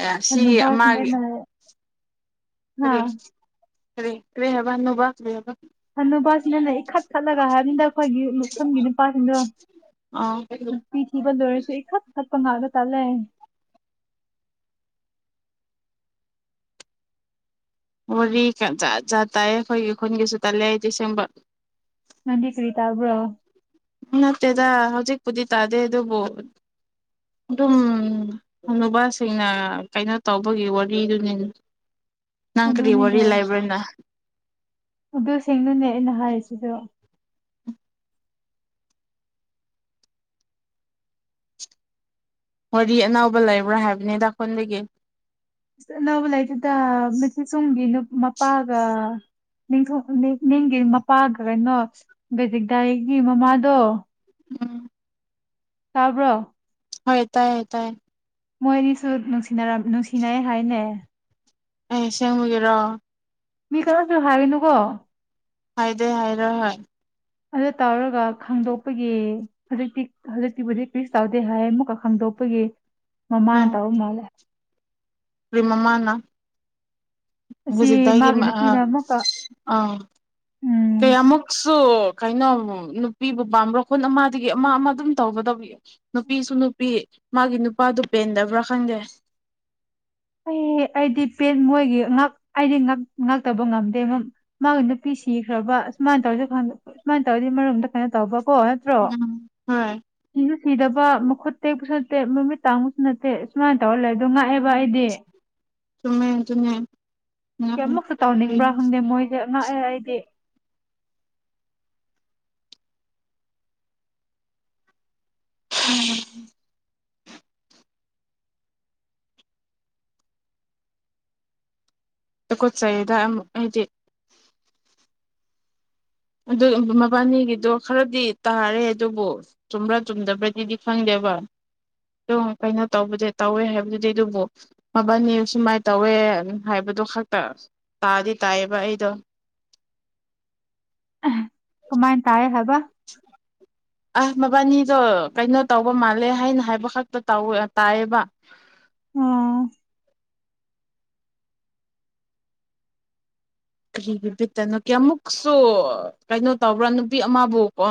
ꯑꯦ ꯁꯤꯒꯤ ꯑꯃꯒꯤ ꯍꯅꯨꯕꯥꯁꯤꯡꯅ ꯍꯥ ꯐꯔꯦ ꯀꯦ ꯔꯦ ꯍꯥꯏꯕ ꯅꯨꯣꯕ ꯂꯩꯦꯕ ꯍꯟꯅꯨꯄꯥꯁꯤꯅꯅꯦ ꯏꯈꯠ ꯈꯠꯂꯒ ꯍꯥꯏꯕꯅꯤꯅ ꯑꯩꯈꯣꯏꯒꯤ ꯃꯐꯝꯒꯤ ꯅꯨꯄꯥꯁꯤꯡꯗꯣ ꯑꯥ ꯅꯨꯄꯤ ꯊꯤꯕ ꯂꯣꯏꯔꯁꯨ ꯏꯈꯠ ꯄ ꯉꯒ ꯇꯂꯦ ꯋꯥꯔꯤ ꯖꯥꯠ ꯖꯥꯠ ꯇꯥꯏ ꯑꯩꯈꯣꯏꯒꯤ ꯈꯨꯟꯒꯤꯁꯨ ꯇꯥꯂꯦ ꯫ꯑꯩꯗꯤ ꯁꯦꯡꯕ ꯅꯪꯗꯤ ꯀ꯭ꯔꯤꯇꯥꯕ꯭ꯔꯣ ꯅꯠꯇꯦꯗ ꯍꯧꯖꯤꯛꯄꯨꯗꯤ ꯇꯥꯗꯦ ꯑꯗꯨꯕꯨ ꯑꯗꯨꯝ ꯅꯨꯄꯥꯁꯤꯡꯅ ꯀꯩꯅꯣ ꯇꯧꯕꯒꯤ ꯋꯥꯔꯤꯗꯨꯅꯤ ꯅꯪ ꯀꯔꯤ ꯋꯥꯔꯤ ꯑꯗꯨꯅꯤꯅꯦ ꯂꯥꯏꯕ꯭ꯔꯅꯦ ꯑꯗꯨ ꯁꯦꯡꯅꯅꯦ ꯑꯩꯅ ꯍꯥꯏꯔꯤꯁꯤꯗꯣ ꯋꯥꯔꯤ ꯑꯅꯧꯕ ꯂꯩꯕ꯭ꯔꯥ ꯍꯥꯏꯕꯅꯤꯗ ꯄꯨꯕꯒꯤ ꯑꯅꯧꯕ ꯂꯩꯇꯦꯗ ꯃꯊꯤꯠ ꯆꯨꯝꯒꯤꯅꯨꯞ ꯃꯄꯥꯒ ꯅꯤꯡꯊꯣ [unintelligible] ꯃꯄꯥꯒ ꯀꯩꯅꯣ [unintelligible] ꯕꯦꯖꯤꯛꯗꯥꯏꯒꯤ ꯃꯃꯥꯗꯣ ꯎꯝ ꯇꯥꯕ꯭ꯔꯣ ꯍ ꯇꯥꯏ ꯇꯥꯏ ꯃꯣꯏꯅꯤꯁꯨ ꯅꯨꯡꯁꯤꯅꯔ ꯅꯨꯡꯁꯤꯅꯩ ꯍꯥꯏꯅꯦ ꯑꯩ ꯁꯦꯡꯕꯒꯤꯔꯣ ꯃꯤ ꯀꯔꯁꯨ ꯍꯥꯏꯔꯤꯅꯨꯀꯣ ꯍꯥꯏꯗꯦ ꯍꯥꯏꯔ ꯍꯣꯏ ꯑꯗꯨꯗ ꯇꯧꯔꯒ ꯈꯪꯗꯣꯛꯄꯒꯤ ꯍꯧꯖꯤꯛꯇꯤ ꯍꯧꯖꯤꯛꯇꯤꯕꯨꯗꯤ ꯄꯤꯁ ꯇꯧꯗꯦ ꯍꯥꯏ ꯑꯃꯨꯛꯀ ꯈꯪꯗꯣꯛꯄꯒꯤ ꯃꯃ ꯅ ꯇꯥꯎ ꯃꯥꯂꯦ ꯔꯤ ꯃꯃꯥꯅ ꯑꯁꯤ ꯍꯧꯖꯤꯛꯗꯥꯏꯒꯤ ꯃꯥꯒꯤ ꯑ ꯅꯨꯄꯤꯅ ꯑꯃꯨꯛꯀ ꯑꯥ ꯎꯝ ꯀꯌꯥꯃꯨꯛꯁꯨ ꯀꯩꯅꯣ ꯅꯨꯄꯤꯕꯨ ꯄꯥꯝꯕ꯭ꯔꯥ ꯈꯠ ꯑꯃꯗꯒꯤ ꯑꯃ ꯑꯃ ꯑꯗꯨꯝ ꯇꯧꯒꯗꯕ ꯅꯨꯄꯤꯁꯨ ꯅꯨꯄꯤ ꯃꯥꯒꯤ ꯅꯨꯄꯥꯗꯨ ꯄꯦꯟꯗꯕ꯭ꯔꯥ ꯈꯪꯗꯦ ꯑꯩ ꯑꯩꯗꯤ ꯄꯦꯟ ꯃꯣꯏꯒꯤ ꯑꯩꯗꯤ ꯉꯇꯕ ꯉꯝꯗꯦ ꯃꯥꯒꯤ ꯅꯨꯄꯤ ꯁꯤꯈ꯭ꯔꯕ ꯑꯨꯃꯥꯏꯅ ꯇꯧꯔꯁꯨ ꯁꯨꯃꯥꯏꯅ ꯇꯧꯔꯗꯤ ꯃꯔꯣꯝꯗ ꯀꯩꯅꯣ ꯇꯧꯕ ꯀꯣ ꯅꯠꯇ꯭ꯔꯣ ꯎꯝ ꯍꯣꯏ ꯎꯝ ꯊꯤꯗꯕ ꯃꯈꯨꯠ ꯇꯦꯛꯄꯁꯨ ꯅꯠꯇꯦ ꯃꯃꯤꯠ ꯇꯥꯡꯕꯁꯨ ꯅꯠꯇꯦ ꯁꯨꯃꯥꯏꯅ ꯇꯧꯔ ꯂꯩ ꯑꯣ ꯉꯥꯛꯑꯦꯕ ꯑꯩꯗꯤ ꯆꯨꯃꯦ ꯆꯨꯃꯦ ꯀꯌꯥꯃꯨꯛꯁꯨ ꯇꯥꯎꯅꯤꯡꯕ꯭ꯔꯥ ꯈꯪꯗꯦ ꯃꯣꯏꯗꯤꯦ ꯑꯉꯛꯑꯦ ꯑꯩꯗꯤ [unintelligible] ꯇꯨꯀꯠꯆꯩꯗ ꯑꯩꯗꯤ ꯑꯗꯨ ꯃꯕꯥꯅꯤꯒꯤꯗꯣ ꯈꯔꯗꯤ ꯇꯥꯔꯦ ꯑꯗꯨꯕꯨ ꯆꯨꯝꯕ꯭ꯔꯥ ꯆꯨꯝꯗꯕ꯭ꯔꯗꯤꯗꯤ ꯈꯪꯗꯦꯕ ꯑ ꯀꯩꯅꯣ ꯇꯧꯕꯗꯤ ꯇꯧꯋꯦ ꯍꯥꯏꯕꯗꯨꯗꯤ ꯑꯗꯨꯕꯨ ꯃꯕꯥꯅꯤ ꯁꯨꯃꯥꯏꯅ ꯇꯧꯋꯦ ꯍꯥꯏꯕꯗꯣ ꯈꯛꯇ ꯇꯥꯗꯤ ꯇꯥꯏꯌꯦꯕ ꯑꯩꯗꯣ ꯀꯃꯥꯏꯅ ꯇꯥꯏꯌꯦ ꯍꯥꯏꯕ ꯕ ꯑꯁ ꯃꯕꯥꯅꯤꯗꯣ ꯀꯩꯅꯣ ꯇꯧꯕ ꯃꯥꯜꯂꯦ ꯍꯥꯏꯅ ꯍꯥꯏꯕ ꯈꯛꯇ ꯇꯥꯏꯌꯦꯕ ꯑꯣ ꯀꯔꯤꯒꯤꯕꯤꯠꯇꯅꯣ ꯀꯦ ꯑꯃꯨꯛꯁꯨ ꯀꯩꯅꯣ ꯇꯧꯕ꯭ꯔꯥ ꯅꯨꯄꯤ ꯑꯃꯕꯨ ꯀꯣ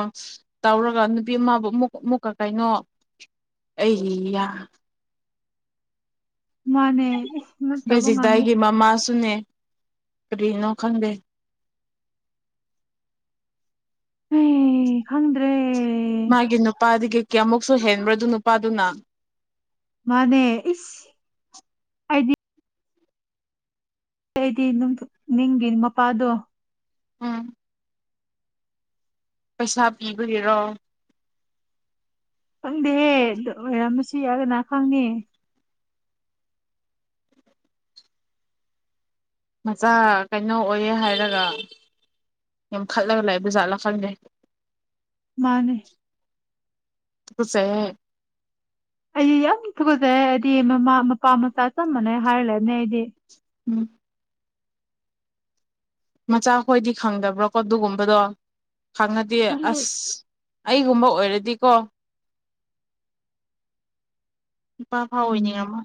ꯇꯧꯔꯒ ꯅꯨꯄꯤ ꯑꯃꯕꯨ ꯑꯃꯨꯛ ꯑꯃꯨꯛꯀ ꯀꯩꯅꯣ ꯑꯩ ꯃꯥꯅꯦ ꯏꯁ ꯉꯛꯇꯧꯕ ꯉꯝꯗꯦ ꯒꯖꯤꯛꯗꯥꯏꯒꯤ ꯃꯃꯥꯁꯨꯅꯦ ꯀꯔꯤꯅꯣ ꯈꯪꯟꯗꯦ ꯍꯩ ꯈꯪꯗ꯭ꯔꯦ ꯃꯥꯒꯤ ꯅꯨ ꯅꯨꯄꯥꯗꯒꯤ ꯀꯌꯥꯃꯨꯛꯁꯨ ꯍꯦꯟꯕ꯭ꯔꯗꯨ ꯅꯨꯄꯥꯗꯨꯅ ꯃꯥꯅꯦ ꯏꯁ ꯑꯩꯗꯤ ꯑꯩꯗꯤ ꯅꯤꯡꯒꯤ ꯃꯄꯥꯗꯣ ꯎꯝ ꯄꯩꯁꯥ ꯄꯤꯕꯒꯤꯔꯣ ꯈꯪꯗꯦꯍꯦ ꯑꯗꯨ ꯑꯣꯏꯔꯝꯃꯁꯤ ꯌꯥꯒꯅ ꯈꯪꯉꯦ ꯃꯆꯥ ꯀꯩꯅꯣ ꯑꯣꯏꯌꯦꯦ ꯍꯥꯏꯔꯒ ꯌꯥꯝ ꯈꯠꯂꯒ ꯂꯩ ꯕꯖꯥꯠꯅ ꯈꯪꯗꯦ ꯃꯥꯅꯦ ꯁꯦ ꯑꯩ ꯌꯥꯝ ꯊꯨꯒꯖꯔꯦ ꯑꯩꯗꯤ ꯃꯃꯥ ꯃꯄꯥ ꯃꯆꯥ ꯆꯝ ꯃꯅꯦꯩ ꯍꯥꯏꯔ ꯂꯩꯅꯦ ꯑꯩꯗꯤ ꯎꯝ ꯃꯆꯥ ꯈꯣꯏꯗꯤ ꯈꯪꯗꯕ꯭ꯔꯣꯀꯣ ꯑꯗꯨꯒꯨꯝꯕꯗꯣ ꯈꯪꯉꯗꯤꯦ ꯈꯪꯗꯦ ꯑꯁ ꯑꯩꯒꯨꯝꯕ ꯑꯣꯏꯔꯗꯤꯀꯣ ꯏꯄꯥ ꯐꯥ ꯑꯣꯏꯅꯤꯡꯉ ꯎꯝ ꯑꯃ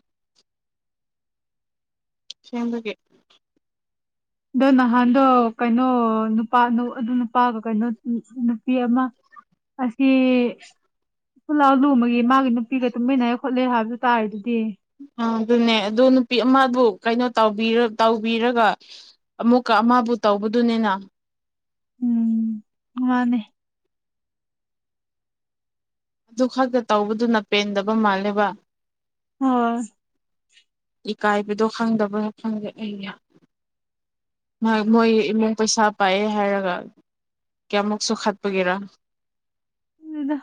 ꯁꯤꯗꯒꯦ ꯑꯗꯣ ꯅꯍꯥꯟꯗꯣ ꯀꯩꯅꯣ ꯅꯨꯄꯥ ꯑꯗꯨ ꯅꯨꯄꯥꯒ ꯀꯩꯅꯣ ꯅꯨꯄꯤ ꯑꯃ ꯑꯁꯤ ꯈꯨꯂꯥꯎ ꯂꯨꯃꯒꯤ ꯃꯥꯒꯤ ꯅꯨꯄꯤꯒ ꯇꯨꯃꯤꯟꯅꯔ ꯈꯣꯠꯂꯦ ꯍꯥꯏꯕꯗꯨ ꯇꯥꯔꯦ ꯑꯗꯨꯗꯤ ꯑ ꯑꯗꯨꯅꯦ ꯑ ꯅꯨꯄꯤ ꯑꯃꯕꯨ ꯀꯩꯅꯣ ꯇꯧꯕꯤꯔꯒ ꯑꯃꯨꯛꯀ ꯑꯃꯕꯨ ꯇꯧꯕꯗꯨꯅꯤꯅ ꯎꯝ ꯃꯥꯅꯦ ꯑꯗꯨ ꯈꯛꯇ ꯇꯧꯕꯗꯨꯅ ꯄꯦꯟꯗꯕ ꯃꯥꯜꯂꯦꯕ ꯑ ꯏꯀꯥꯏꯕꯗꯣ ꯈꯪꯗꯕꯅ ꯈꯪꯗꯦ ꯑꯩ ꯃꯣꯏ ꯏꯃꯨꯡ ꯄꯩꯁꯥ ꯄꯥꯏꯑꯦ ꯍꯥꯏꯔꯒ ꯀꯌꯥꯃꯨꯛꯁꯨ ꯈꯠꯄꯒꯦꯔ ꯎꯗ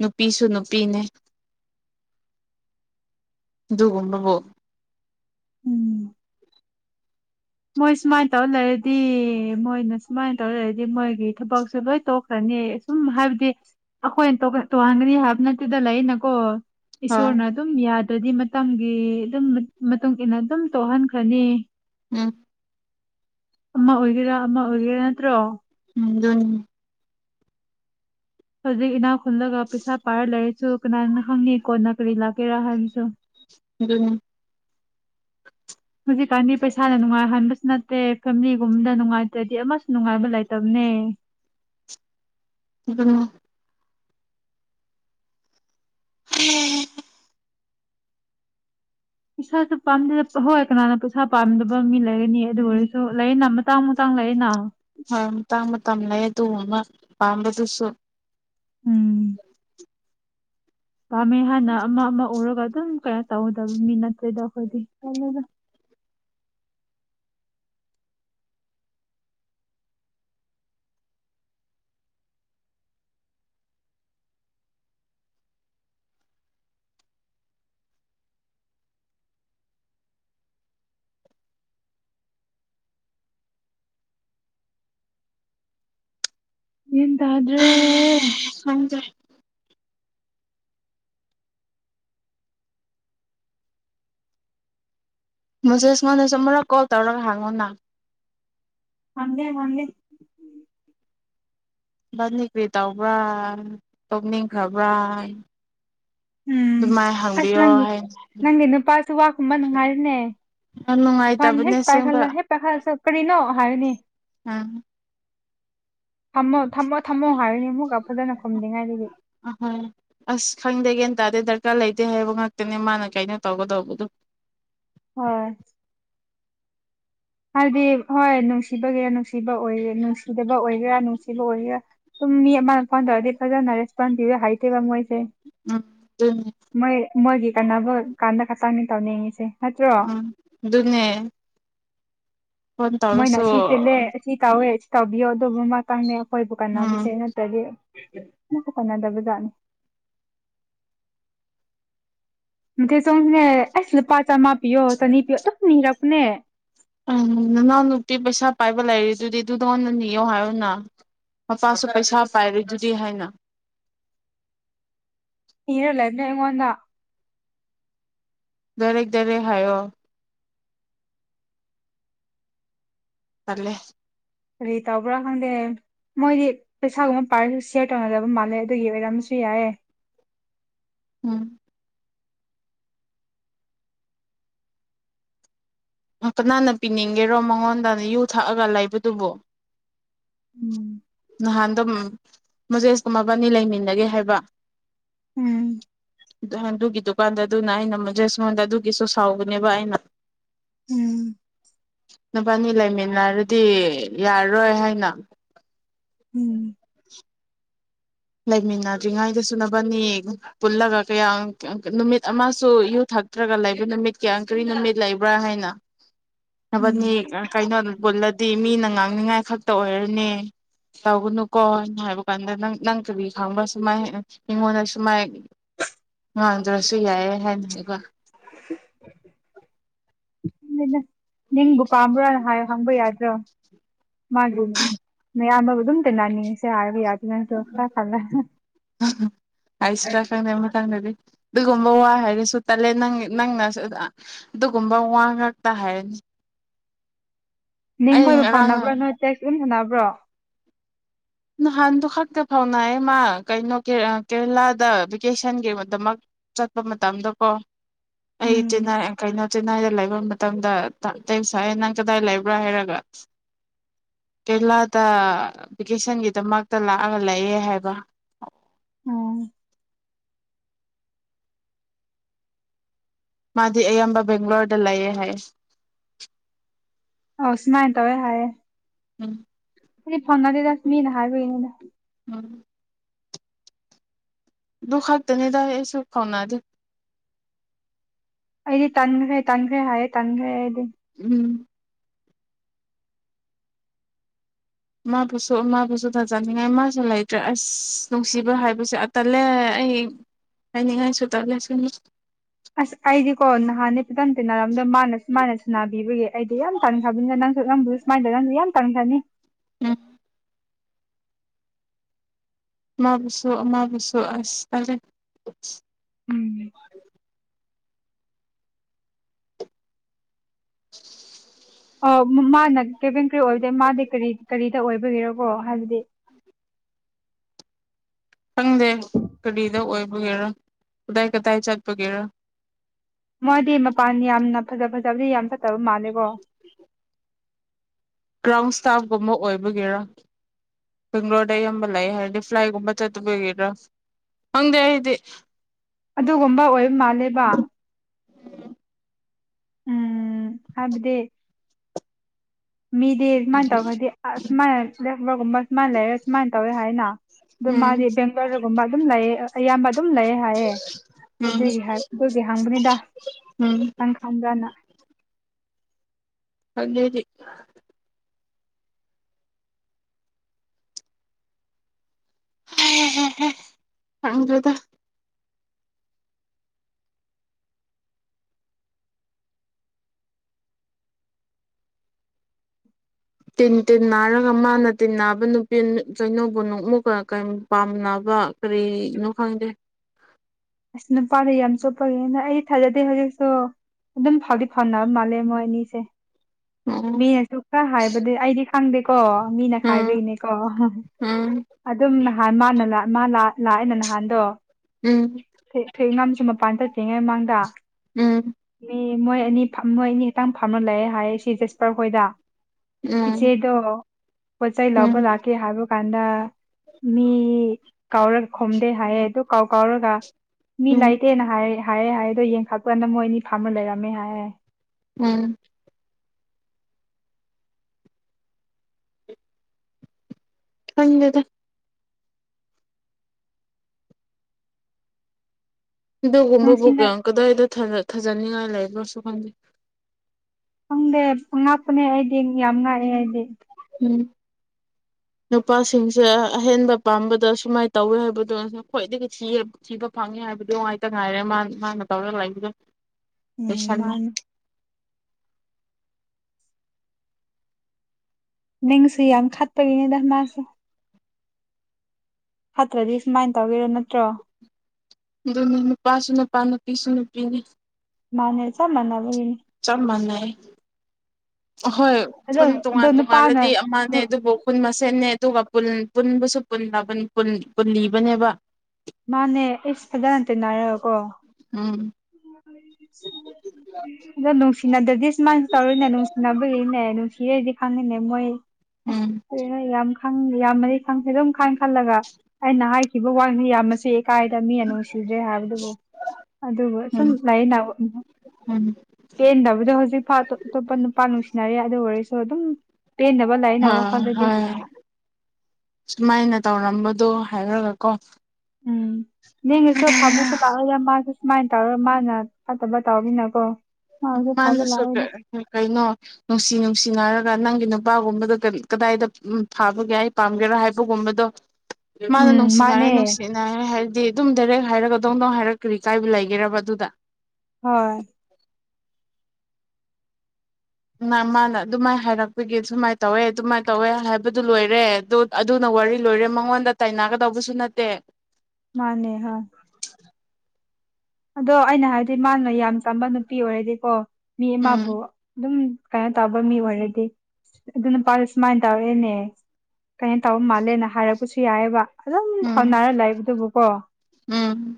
ꯅꯨꯄꯤꯁꯨ ꯅꯨꯄꯤꯅꯦ ꯑꯗꯨꯒꯨꯝꯕꯕꯨ ꯎꯝ ꯃꯣꯏ ꯁꯨꯃꯥꯏꯅ ꯇꯧꯔ ꯂꯩꯔꯗꯤ ꯃꯣꯏꯅ ꯁꯨꯃꯥꯏꯅ ꯇꯧꯔ ꯂꯩꯔꯗꯤ ꯃꯣꯏꯒꯤ ꯊꯕꯛꯁꯦ ꯂꯣꯏ ꯇꯣꯛꯈ꯭ꯔꯅꯤ ꯁꯁꯨꯝ ꯍꯥꯏꯕꯗꯤ ꯑꯩꯈꯣꯏꯅ ꯇꯣꯡꯍꯟꯒꯅꯤ ꯍꯥꯏꯕ ꯅꯠꯇꯗ ꯂꯩꯅꯀꯣ ꯍꯣꯏ ꯏꯁꯣꯔꯅ ꯑꯗꯨꯝ ꯌꯥꯗ ꯑꯗꯨꯗꯤ ꯃꯇꯝꯒꯤ ꯑꯗꯨꯝ ꯃꯇꯨꯡ ꯏ ꯃꯇꯨꯡꯏꯟꯅ ꯑꯗꯨꯝ ꯇꯣꯛꯍꯟꯈ꯭ꯔꯅꯤ ꯎꯝ ꯑꯃ ꯑꯣꯏꯒꯦꯔꯥ ꯑꯃ ꯑꯣꯏꯒꯦꯔꯥ ꯅꯠꯇ꯭ꯔꯣ ꯎꯝ ꯗꯣꯅꯤ ꯐꯖꯤ ꯏꯅꯥ ꯍꯨꯟꯗꯒ ꯄꯤꯁꯁꯥ ꯄꯔ ꯂꯩꯁꯨ ꯀꯅꯥꯅ ꯍꯪꯅꯤꯀꯣ ꯅ ꯀꯔꯤ ꯂꯥꯛꯀꯦꯔꯥ ꯍꯥꯏꯕꯁꯨ ꯎꯝ ꯍꯧꯖꯤꯛꯀꯥꯟꯗꯤ ꯄꯩꯁꯥꯅ ꯅꯨꯡꯉꯥꯏꯍꯟꯕꯁꯨ ꯅꯠꯇꯦ ꯐꯦꯃꯤꯂꯤꯒꯨꯝꯕꯗ ꯅꯨꯡꯉꯥꯏꯇ꯭ꯔꯗꯤ ꯑꯃꯁꯨ ꯅꯨꯡꯉꯥꯏꯕ ꯂꯩꯇꯕꯅꯦ ꯎꯝ ꯎꯝ ꯄꯩꯁꯥꯁꯨ ꯄꯥꯝꯗꯗ ꯍꯣꯏ ꯀꯅꯥꯅ ꯄꯩꯁꯥ ꯄꯥꯝꯗꯕ ꯃꯤ ꯂꯩꯔꯅꯤ ꯑꯗꯨ ꯑꯣꯏꯔꯁꯨ ꯂꯩꯅ ꯃꯇꯥꯡ ꯃꯇꯥꯡ ꯂꯩꯌꯦꯅ ꯍꯣꯏ ꯃꯇꯥꯡ ꯃꯇꯝ ꯂꯩ ꯑꯗꯨ ꯎ ꯑꯃ ꯄꯥꯝꯕꯗꯨꯁꯨ ꯎꯝ ꯄꯥꯝꯃꯦ ꯍꯥꯟꯅ ꯑꯃ ꯑꯃ ꯎꯔꯒ ꯑꯗꯨꯝ ꯀꯌꯥ ꯇꯧꯗꯕ ꯃꯤ ꯅꯠꯇꯦꯗ ꯑꯩꯈꯣꯏꯗꯤ ꯇꯧꯗ ꯌꯦꯗꯗ꯭ꯔꯦ ꯈꯪꯗꯦ ꯃꯁꯦ ꯏꯁꯃꯅꯁ ꯃꯛ ꯀꯜ ꯇꯧꯔꯒ ꯍꯜꯉꯧ ꯅ ꯍꯪꯗ ꯃꯪꯗꯦ ꯚꯟꯅꯤꯒ꯭ꯔꯤ ꯇꯧꯕ꯭ꯔꯥ ꯇꯣꯛꯅꯤꯡꯈꯕ꯭ꯔꯥ ꯎꯝ ꯑꯗꯨꯃꯥꯏꯅ ꯍꯪꯕꯤꯌꯣ ꯍꯥꯏ ꯇꯨ ꯋꯥꯀꯨꯝꯕ ꯅꯨꯡꯉꯥꯏꯔꯤꯅꯦ ꯐꯅꯤ ꯅꯨꯡꯉꯥꯏꯇꯕꯅꯦ ꯍꯦꯛ ꯑꯁꯦꯡꯕ ꯄꯥꯏꯈꯠꯂ ꯍꯦꯛ ꯄꯥꯏꯈꯠꯂꯁ ꯀꯔꯤꯅꯣ ꯍꯥꯏꯅꯤ ꯎꯝ ꯊꯝꯃꯣ ꯊꯝꯃꯣ ꯊꯝꯃꯣ ꯍꯥꯥꯎꯅꯤꯃꯨ ꯀ ꯑꯗꯨꯗꯅ ꯍ ꯑꯁ ꯈꯪꯗꯒꯦꯇ ꯑꯗꯦ ꯗꯔ ꯀ ꯂꯩꯇꯦ ꯍꯥꯏꯕ ꯉꯥꯛꯇꯅꯦ ꯃꯥꯅ ꯀꯩꯅꯣ ꯇꯧꯒꯗꯧꯕꯗꯣ ꯍꯣꯏ ꯍꯥꯏꯗꯤ ꯍꯣꯏ ꯅꯨꯡꯁꯤꯕꯒꯤꯦꯔꯥ ꯅꯨꯡꯁꯤꯕ ꯑꯣꯏꯒꯦ ꯅꯨꯡꯁꯤꯗꯕ ꯑꯣꯏꯒꯦꯔꯥ ꯅꯨꯡꯁꯤꯕ ꯑꯣꯏꯒꯦꯔꯥ ꯑꯗꯨꯝ ꯃꯤ ꯑꯃꯅ ꯐꯣꯟ ꯇꯧꯔꯗꯤ ꯐꯖꯅ ꯔꯦꯁꯄꯣꯟ ꯄꯤꯌꯨ ꯍꯥꯏꯇꯦꯕ ꯃꯣꯏꯁꯦ ꯎꯝ ꯎ ꯃꯣꯏ ꯃꯣꯏꯒꯤ ꯀꯥꯟꯅꯕ ꯀꯥꯟꯗ ꯈꯛꯇꯪꯅꯤ ꯇꯧꯅꯤꯡꯉꯤꯁꯦ ꯅꯠꯇ꯭ꯔꯣ ꯎꯝ ꯑꯗꯨꯅꯦ ꯐꯣꯟ ꯃꯣꯏꯅ ꯇꯧꯔꯁꯨ ꯁꯤ ꯇ ꯂꯩꯦ ꯁꯤ ꯇꯥꯎꯋꯦ ꯇꯕꯤꯤꯣ ꯑꯗꯨ ꯃꯥ ꯇꯥꯡ ꯑꯩꯈꯣꯏꯕꯨ ꯀꯥꯟꯅꯕꯁꯦ ꯎꯝ ꯅꯠꯇꯦ ꯀꯅꯥꯗꯕꯗꯥꯅꯤ ꯆ ꯑꯂ ꯄꯆꯥ ꯃꯥꯄ ꯄꯤꯌꯣ ꯁꯅꯤ ꯄꯌꯣꯣ ꯅꯤꯔꯞꯅꯦ ꯎꯝ ꯅꯅꯥꯎ ꯅꯨꯄꯤ ꯄꯩꯁꯥ ꯄꯥꯏꯕ ꯂꯩꯔꯤꯗꯨꯗꯤ ꯑꯗꯨꯗꯉꯟꯅꯅꯤꯌꯣ ꯍꯥꯏꯌꯣꯅ ꯃꯄꯥꯁꯨ ꯄꯩꯁꯥ ꯄꯥꯏꯔꯗꯨꯗꯤ ꯍꯥꯏꯅ ꯏꯔ ꯂꯩꯅꯦ ꯑꯩꯉꯣꯟꯗ ꯗꯔꯀ ꯗꯔ ꯍꯥꯏꯌꯣ ꯇꯂꯦ ꯀꯔꯤ ꯇꯧꯕ꯭ꯔꯥ ꯈꯪꯗꯦ ꯃꯣꯏꯗꯤ ꯄꯩꯁꯥꯒꯨꯝꯕ ꯄꯥꯔꯁꯨ ꯁꯤꯌꯔ ꯇꯧꯅꯗꯕ ꯃꯥꯜꯂꯦ ꯑꯗꯨꯒꯤ ꯑꯣꯏꯔꯝꯁꯨ ꯌꯥꯏꯦ ꯎꯝ ꯀꯅꯥꯅ ꯄꯤꯅꯤꯡꯒꯦꯔꯣ ꯃꯉꯣꯟꯗ ꯌꯨ ꯊꯛꯑꯒ ꯂꯩꯕꯗꯨꯕꯨ ꯎꯝ ꯅꯍꯥꯟꯗꯣ ꯃꯣꯖꯦꯁꯀ ꯃꯕꯥꯅꯤ ꯂꯩꯃꯤꯟꯅꯒꯦ ꯍꯥꯏꯕꯥꯟ ꯎꯝ ꯑꯗꯨꯒꯤ ꯗꯨꯀꯥꯟꯗ ꯑꯗꯨꯅ ꯑꯩꯅ ꯃꯣꯖꯦꯁꯉꯣꯟꯗ ꯑꯗꯨꯒꯤꯁꯨ ꯁꯥꯎꯒꯅꯦꯕ ꯑꯩꯅ ꯎꯝ ꯃꯕꯥꯅꯤ ꯂꯩꯃꯤꯟꯅꯔꯗꯤ ꯌꯥꯔꯔꯣꯏ ꯍꯥꯏꯅ ꯎꯝ ꯂꯩꯃꯤꯟꯅꯗ꯭ꯔꯤꯉꯩꯗ ꯁꯨꯅꯕꯅꯤ ꯄꯨꯜꯂꯒ ꯀꯌꯥ ꯅꯨꯃꯤꯠ ꯑꯃꯁꯨ ꯌꯨ ꯊꯛꯇ꯭ꯔꯒ ꯂꯩꯕ ꯅꯨꯃꯤꯠ ꯀꯌꯥ ꯀꯔꯤ ꯅꯨꯃꯤꯠ ꯂꯩꯕ꯭ꯔꯥ ꯍꯥꯏꯅ ꯕꯅꯤ ꯎꯝ ꯀꯩꯅꯩꯅꯣ ꯄꯨꯜꯂꯗꯤ ꯃꯤꯅ ꯉꯥꯡꯅꯤꯉꯥꯏ ꯈꯛꯇ ꯑꯣꯏꯔꯅꯤ ꯇꯧꯒꯅꯨꯀꯣꯅ ꯍꯥꯏꯕ ꯀꯥꯟꯗ ꯅꯪ ꯅꯪ ꯀꯕꯤ ꯈꯪꯕ ꯁꯨꯃꯥꯏꯅ ꯃꯤꯉꯣꯟꯗ ꯁꯨꯃꯥꯏ ꯉꯥꯡꯗ꯭ꯔꯁꯨ ꯌꯥꯏꯑ ꯍꯥꯏꯅꯒ ꯅꯤꯡꯕꯨ ꯄꯥꯝꯕ꯭ꯔꯥꯅ ꯍꯥꯏꯌ ꯍꯪꯕ ꯌꯥꯗ꯭ꯔꯣ ꯃꯥꯔꯤ ꯑꯗꯨꯝ ꯇ ꯅꯤꯡꯉꯤꯁꯦ ꯍꯥꯏꯔ ꯌꯥꯗꯦ ꯆ ꯈꯔ ꯈꯂ ꯑꯁ ꯔ ꯌꯥꯝ ꯪꯅꯕꯤ ꯑꯗꯨꯒꯨꯝꯕ ꯋꯥ ꯍꯥꯏꯔꯁꯨ ꯇꯜꯂꯦ ꯅ ꯅꯪꯅ ꯑꯗꯨꯒꯨꯝꯕ ꯋꯥ ꯉꯥꯛꯇ ꯍꯥꯏꯔꯅꯤ ꯅꯤꯡꯤꯡꯡ ꯑꯩ ꯀꯣ ꯉꯔꯥꯡ ꯊꯥꯎꯅꯥ ꯕꯔꯅ ꯏ ꯊꯥꯟꯅꯥ ꯕ꯭ꯔꯣ ꯅꯍꯥꯟꯗꯨꯣ ꯈꯛꯇ ꯐꯥꯎꯅꯌꯦꯃ ꯀꯩꯅꯣ ꯀꯦꯔꯂꯥꯗ ꯚꯦꯀꯦꯁꯟꯒꯤꯗꯃꯛ ꯆꯠꯄ ꯃꯇꯝꯗꯣꯀꯣ ꯑꯩ ꯆꯤꯏ ꯎꯝ ꯀꯩꯅ ꯆꯤꯟꯅꯥꯏꯗ ꯂꯩꯒ ꯃꯇꯝꯗ ꯑꯇꯩꯁꯥꯏ ꯅꯪ ꯀꯗꯥꯏ ꯂꯩꯕ꯭ꯔꯥ ꯍꯥꯏꯔꯒ ꯀꯦꯔꯂꯥꯗ ꯚꯦꯀꯦꯁꯟꯒꯤꯗꯃꯛꯇ ꯂꯥꯛꯑꯒ ꯂꯥꯛꯑꯦ ꯍꯥꯏꯕ ꯎꯝ ꯃꯥꯗꯤ ꯑꯌꯥꯝꯕ ꯕꯦꯡꯒ꯭ꯂꯣꯔꯗ ꯂꯩꯌꯦꯦ ꯍꯥꯏ ꯑꯧꯁꯃꯥꯏ ꯇꯋꯦ ꯍꯥꯏꯌꯦ ꯎꯝ ꯁꯤꯗꯤ ꯐꯣꯟꯉꯗꯤꯗꯁꯃꯤ ꯅꯍꯥꯏꯔꯒꯅꯤ ꯎꯝ ꯗꯨ ꯈꯛꯇꯅꯤꯗ ꯑꯩꯁꯨ ꯐꯥꯎꯅꯔꯤ ꯗꯤ ꯇꯟꯈ꯭ꯔꯦ ꯇꯟꯈ꯭ꯔꯦ ꯍꯥꯏꯌꯦ ꯇꯟꯈ꯭ꯔꯦ ꯎꯝ ꯃꯥꯕꯨꯁꯨ ꯃꯥꯕꯨꯁꯨ ꯇꯥꯖꯅꯤꯡꯉꯥꯏ ꯃꯥꯁꯨ ꯂꯩꯇ꯭ꯔꯦ ꯑꯁ ꯅꯨꯡꯁꯤꯕ ꯍꯥꯏꯕꯁꯦ ꯑꯇꯜꯂꯦ ꯑꯩ ꯍꯥꯏꯅꯤꯡꯉꯥꯏꯁꯨ ꯇꯠꯂꯦ ꯁꯤ ꯑꯁ ꯑꯩꯗꯤꯀꯣ ꯅꯥꯟ ꯅꯦꯞ ꯇꯇꯦꯅ ꯃꯥꯅ ꯁꯨꯃꯥꯏꯅ ꯁꯅꯥꯕꯤꯕꯒꯤ ꯑꯩꯗꯤ ꯌꯥꯝ ꯇꯥꯡꯅꯊꯕꯅꯤꯅ ꯅꯪꯁꯨ ꯅꯪꯕꯁꯨ ꯁꯨꯃꯥꯏꯅꯗ ꯅꯪꯁꯨ ꯌꯥꯝ ꯇꯥꯡꯊꯅꯤ ꯎꯝ ꯃꯕꯨꯁꯨꯕꯨꯁꯨꯨ ꯑꯁ ꯑ ꯎꯝ [inaudible] ꯑ ꯃꯥꯅ ꯀꯦꯕꯦꯟ ꯀꯔꯤ ꯑꯣꯏꯕꯗ ꯃꯥꯗꯤ ꯀꯔꯤ ꯀꯔꯤꯗ ꯑꯣꯏꯕꯒꯤꯦꯔꯀꯣ ꯍꯥꯏꯕꯗꯤ ꯈꯪꯗꯦ ꯀꯔꯤꯗ ꯑꯣꯏꯕꯒꯦꯔꯥ ꯀꯗꯥꯏ ꯀꯗꯥꯏ ꯆꯠꯄꯒꯦꯔꯥ ꯃꯥꯗꯤ ꯃꯄꯥꯟ ꯌꯥꯝꯅ ꯐꯖ ꯐꯖꯕꯗꯤ ꯌꯥꯝ ꯐꯠꯇꯕ ꯃꯥꯜꯂꯦꯀꯣ ꯒ꯭ꯔꯥꯎꯟ ꯏꯁꯇꯥꯐꯀꯨꯝꯕ ꯑꯣꯏꯕꯒꯤꯔ ꯕꯦꯡꯒ꯭ꯂꯣꯔꯗ ꯑꯌꯥꯝꯕ ꯂꯩ ꯍꯥꯏꯔꯗꯤ ꯐ꯭ꯂꯥꯏꯠꯒꯨꯝꯕ ꯆꯠꯇꯕꯒꯤꯔ ꯈꯪꯗꯦ ꯑꯩꯗꯤ ꯑꯗꯨꯒꯝꯕ ꯃꯥꯂꯦꯕ ꯎꯝ ꯍꯥꯕꯗꯦ ꯃꯤꯗꯤ ꯁꯨꯃꯥꯏꯅ ꯇꯧꯈꯗꯤ ꯑ ꯁꯨꯃꯥꯏꯅ ꯂꯦꯁꯕꯔꯒꯨꯝꯕ ꯁꯨꯃꯥꯏꯅ ꯂꯩꯔꯦ ꯁꯨꯃꯥꯏꯅ ꯇꯧꯋꯦ ꯍꯥꯏꯅ ꯑꯗꯨ ꯃꯥꯗꯤ ꯎꯝ ꯕꯦꯡꯒꯂꯣꯔꯨꯒꯨꯝꯕ ꯑꯗꯨꯝ ꯂꯩꯑ ꯑꯌꯥꯝꯕ ꯑꯗꯨꯝ ꯂꯩꯑ ꯍꯥꯏꯌꯦ ꯎꯝ ꯑꯗꯨꯒꯤ ꯑꯗꯨꯒꯤ ꯍꯪꯕꯅꯤꯗ ꯎꯝ ꯅꯪ ꯈꯟꯖꯅ ꯍꯖꯤ ꯀꯗ꯭ꯔꯗ ꯇꯤꯟ ꯇꯤꯟ ꯅꯥꯔꯒ ꯃꯥꯅ ꯇꯤ ꯅꯥꯕ ꯅꯨꯄꯤ ꯀꯩꯅꯧꯕ ꯅꯣꯛꯃꯨꯛꯀ ꯀꯔꯤ ꯄꯥꯝꯅꯕ ꯀꯔꯤꯅꯣ ꯈꯪꯗꯦ ꯑꯁ ꯅꯨꯄꯥꯗ ꯌꯥꯝ ꯆꯨꯞꯄꯒꯦꯅ ꯑꯩ ꯊꯥꯖꯗꯦ ꯍꯧꯖꯤꯛꯁꯨ ꯑꯗꯨꯝ ꯐꯥꯎꯗꯤ ꯐꯥꯎꯅꯕ ꯃꯥꯜꯂꯦ ꯃꯣꯏ ꯑꯅꯤꯁꯦ ꯎꯝ ꯃꯤꯅꯁꯨ ꯈꯔ ꯍꯥꯏꯕꯗꯤ ꯑꯩꯗꯤ ꯈꯪꯗꯦꯀꯣ ꯃꯤꯅ ꯎꯝ ꯈꯥꯏꯕꯒꯤꯅꯦꯀꯣ ꯎꯝ ꯑꯗꯨꯝ ꯅꯍꯥꯟ ꯃꯥꯅ ꯃꯥ ꯂꯥꯛꯑꯦꯅ ꯅꯍꯥꯟꯗꯣ ꯎꯝ ꯐꯦꯡ ꯉꯝ ꯆ ꯃꯄꯥꯟꯗ ꯦꯡꯉꯩ ꯃꯥꯡꯗ ꯎꯝ ꯑꯦ ꯃꯣꯏ ꯑꯅꯤ ꯃꯣꯏ ꯑꯅꯤ ꯍꯦꯛꯇꯥꯡ ꯐꯥꯝꯅ ꯂꯩꯦ ꯍꯥꯏ ꯁꯤ ꯖꯁꯄꯔ ꯍꯣꯏꯗ ꯎꯝ ꯄꯆꯦꯗ ꯄꯣꯠ ꯆꯩ ꯂꯧꯕ ꯎꯝ ꯂꯥꯛꯀꯦ ꯍꯥꯏꯕ ꯀꯥꯟꯗ ꯃꯤ ꯀꯥꯎꯔꯔ ꯈꯣꯝꯗꯦ ꯍꯥꯏꯌꯦꯦ ꯑꯗꯨ ꯀꯥꯎ ꯀꯥꯎꯔꯒ ꯃꯤ ꯎꯝ ꯂꯩꯇꯦꯅ ꯍꯥꯏ ꯍꯥꯏꯦ ꯍꯥꯏ ꯑꯗꯣ ꯌꯦꯡ ꯈꯥꯛꯄ ꯀꯥꯟꯗ ꯃꯣꯏꯅꯤ ꯊꯝ ꯂꯩꯦ ꯍꯥꯏ ꯎꯝ ꯍꯖꯗ ꯑꯗꯨꯒꯨꯝꯕꯕꯨ ꯅꯨꯡꯁꯤꯅ ꯀꯗꯥꯏꯗ ꯊꯥꯖꯅꯤꯡꯉꯥꯏ ꯂꯩꯕ ꯗꯔꯁꯀꯗ ꯈꯪꯗꯦꯨꯡ ꯉꯥꯛꯄꯅꯦ ꯑꯩꯗꯤ ꯌꯥꯝ ꯉꯥꯛꯑꯦ ꯑꯩꯗꯤ ꯎꯝ ꯅꯨꯄꯥꯁꯤꯡꯁꯦ ꯑꯍꯦꯟꯕ ꯄꯥꯝꯕꯗ ꯁꯨꯃꯥꯏꯅ ꯇꯧꯋꯤ ꯍꯥꯏꯕꯗꯣ ꯈ꯭ꯋꯥꯏꯗꯒꯤ ꯊꯤꯕ ꯐꯪꯉꯦ ꯍꯥꯏꯕꯗꯣꯅꯨꯡ ꯉꯥꯏꯇ ꯉꯥꯏꯔꯦ ꯃꯥ ꯃꯥꯅ ꯇꯧꯔꯒ ꯂꯥꯛꯏꯕꯗꯣ ꯎꯝ ꯃꯥꯅ ꯅꯤꯡꯪꯁꯨ ꯌꯥꯝ ꯈꯠꯄꯔꯤꯅꯦꯗ ꯃꯥꯁꯦ ꯐꯠꯇ꯭ꯔꯗꯤ ꯁꯨꯃꯥꯏꯅ ꯇꯧꯒꯦꯔꯣ ꯅꯠꯇ꯭ꯔꯣ ꯑꯗꯨꯅꯤ ꯅꯨꯄꯥꯁꯨ ꯅꯨꯄꯥ ꯅꯨꯄꯤꯁꯨ ꯅꯨꯄꯤꯅꯤ ꯃꯥꯅꯦ ꯆ ꯃꯅꯥꯕꯍꯤ ꯆꯞ ꯃꯥꯟꯅꯑ ꯑꯍꯣꯏ ꯑꯗꯣ ꯈꯨꯟ ꯑꯗꯣ ꯇꯣꯉꯥꯟ ꯅꯨꯄꯥꯅ ꯇꯣꯉꯜꯂꯗꯤ ꯑꯃꯅꯦ ꯑꯗꯨꯕꯨ ꯈꯨꯟꯁ ꯁꯅꯦ ꯑꯗꯨꯒ ꯄꯨꯟꯕꯨꯁꯨ ꯄꯨꯜꯂꯤꯕꯅꯦꯕ ꯃꯥꯅꯦ ꯏꯄꯗꯇꯦꯅꯅꯥꯔꯀꯣ ꯎꯝ ꯑꯗꯣ ꯅꯨꯡꯁꯤꯅꯗ꯭ꯔꯗꯤ ꯁꯨꯃꯥꯡꯁꯨ ꯇꯧꯔꯣꯏꯅꯦ ꯅꯨꯡꯁꯤꯅꯕꯒꯤꯅꯦ ꯅꯨꯡꯁꯤꯔꯩꯗꯤ ꯐꯥꯉꯦꯅꯦ ꯃꯣꯏ ꯎꯝ ꯌꯥꯝ ꯈꯪꯗꯦ ꯌꯥꯝꯃꯅꯤ ꯈꯪꯁꯦ ꯑꯗꯨꯝ ꯈ ꯈꯜꯂꯒ ꯑꯩꯅ ꯍꯥꯏ ꯁꯤꯕ ꯋꯥꯡꯅ ꯌꯥꯝꯅꯁꯨꯦ ꯀꯥꯏꯗ ꯃꯤꯅ ꯅꯨꯡꯁꯤꯗ꯭ꯔꯦ ꯍꯥꯏꯕꯗꯨꯕꯨ ꯑꯗꯨꯕꯨ ꯎꯝ ꯁꯨꯝ ꯂꯥꯏꯌꯦꯡ ꯎꯝ ꯄꯦꯟꯗꯕꯗꯣ ꯍꯧꯖꯤꯛꯐꯥꯎ ꯑꯇꯣꯞ ꯑꯇꯣꯞꯄ ꯅꯨꯄꯥ ꯅꯨꯡꯁꯤꯅꯔꯤ ꯑꯗꯨ ꯑꯣꯏꯔꯁꯨ ꯑꯗꯨꯝ ꯄꯦꯟꯗꯕ ꯂꯩꯅ ꯍꯣꯏ ꯋꯥꯈꯜꯗꯗꯤ ꯍꯣꯏ ꯁꯨꯃꯥꯏꯅ ꯇꯧꯔꯝꯕꯗꯣ ꯍꯥꯏꯔꯒꯀꯣ ꯅ ꯉꯁ ꯐꯥꯨꯁꯣ ꯀꯔ ꯌꯥ ꯌꯥꯝ ꯃꯥ ꯁꯨꯃꯥꯏꯅ ꯇꯧꯔ ꯃꯥꯅ ꯐꯠꯇꯕ ꯇꯧꯔꯃꯤꯅꯀꯣ ꯎ ꯃꯥꯅꯁꯨ ꯀꯩꯅꯣ ꯅꯨꯡꯁꯤ ꯅꯨꯡꯁꯤꯅꯔꯒ ꯅꯪ ꯅꯨꯄꯥꯒꯨꯝꯕꯗ ꯀꯗꯥꯏꯗ ꯎ ꯐꯥꯕꯒ ꯑꯩ ꯄꯥꯝꯒꯦꯔꯥ ꯍꯥꯏꯕꯒꯨꯝꯕꯗꯣ ꯃꯥꯅ ꯎꯝ ꯅꯨꯡꯁꯤꯅꯔꯦ ꯃꯥꯅꯦ ꯅꯨꯡꯁꯤꯅꯔꯦ ꯍꯥꯏꯔꯗꯤ ꯑꯗꯨꯝ ꯗꯥꯏꯔꯦꯛ ꯍꯥꯏꯔꯛꯀꯗꯧꯅꯧ ꯍꯥꯏꯔꯛꯒ ꯀꯔꯤ ꯀꯥꯏꯕ ꯂꯩꯒꯦꯔꯕ ꯑꯗꯨꯗ ꯍꯣꯏ ꯃꯥꯅ ꯑꯗꯨꯃꯥꯏꯅ ꯍꯥꯏꯔꯛꯄꯒꯤ ꯁꯨꯃꯥꯏꯅ ꯇꯧꯋꯦ ꯑꯗꯨꯃꯥꯏꯅ ꯇꯧꯋꯦ ꯍꯥꯏꯕꯗꯨ ꯂꯣꯏꯔꯦ ꯑꯗꯨꯅ ꯋꯥꯔꯤ ꯂꯣꯏꯔꯦ ꯃꯉꯣꯟꯗ ꯇꯥꯏꯅꯒꯗꯧꯕꯁꯨ ꯅꯠꯇꯦ ꯃꯥꯟꯅꯦ ꯍꯥꯏ ꯑꯗꯣ ꯑꯩꯅ ꯍꯥꯏꯕꯗꯤ ꯃꯥꯅ ꯌꯥꯝ ꯆꯝꯕ ꯅꯨꯄꯤ ꯑꯣꯏꯔꯗꯤꯀꯣ ꯃꯤ ꯑꯃꯃꯕꯨ ꯎꯝ ꯑꯗꯨꯝ ꯀꯩꯅꯣ ꯇꯧꯕ ꯃꯤ ꯑꯣꯏꯔꯗꯤ ꯑꯗꯨ ꯅꯨꯄꯥꯗꯨ ꯁꯨꯃꯥꯏꯅ ꯇꯧꯔꯦꯅꯦ ꯀꯩꯅꯝ ꯇꯧꯕ ꯃꯥꯜꯂꯦꯅ ꯍꯥꯏꯔꯛ ꯄꯨꯠꯁꯤ ꯌꯥꯏꯕ ꯑꯗꯨꯝ ꯎꯝ ꯊꯥꯎꯅꯔ ꯂꯥꯛꯕꯗꯨꯕꯨꯀꯣ ꯎꯝ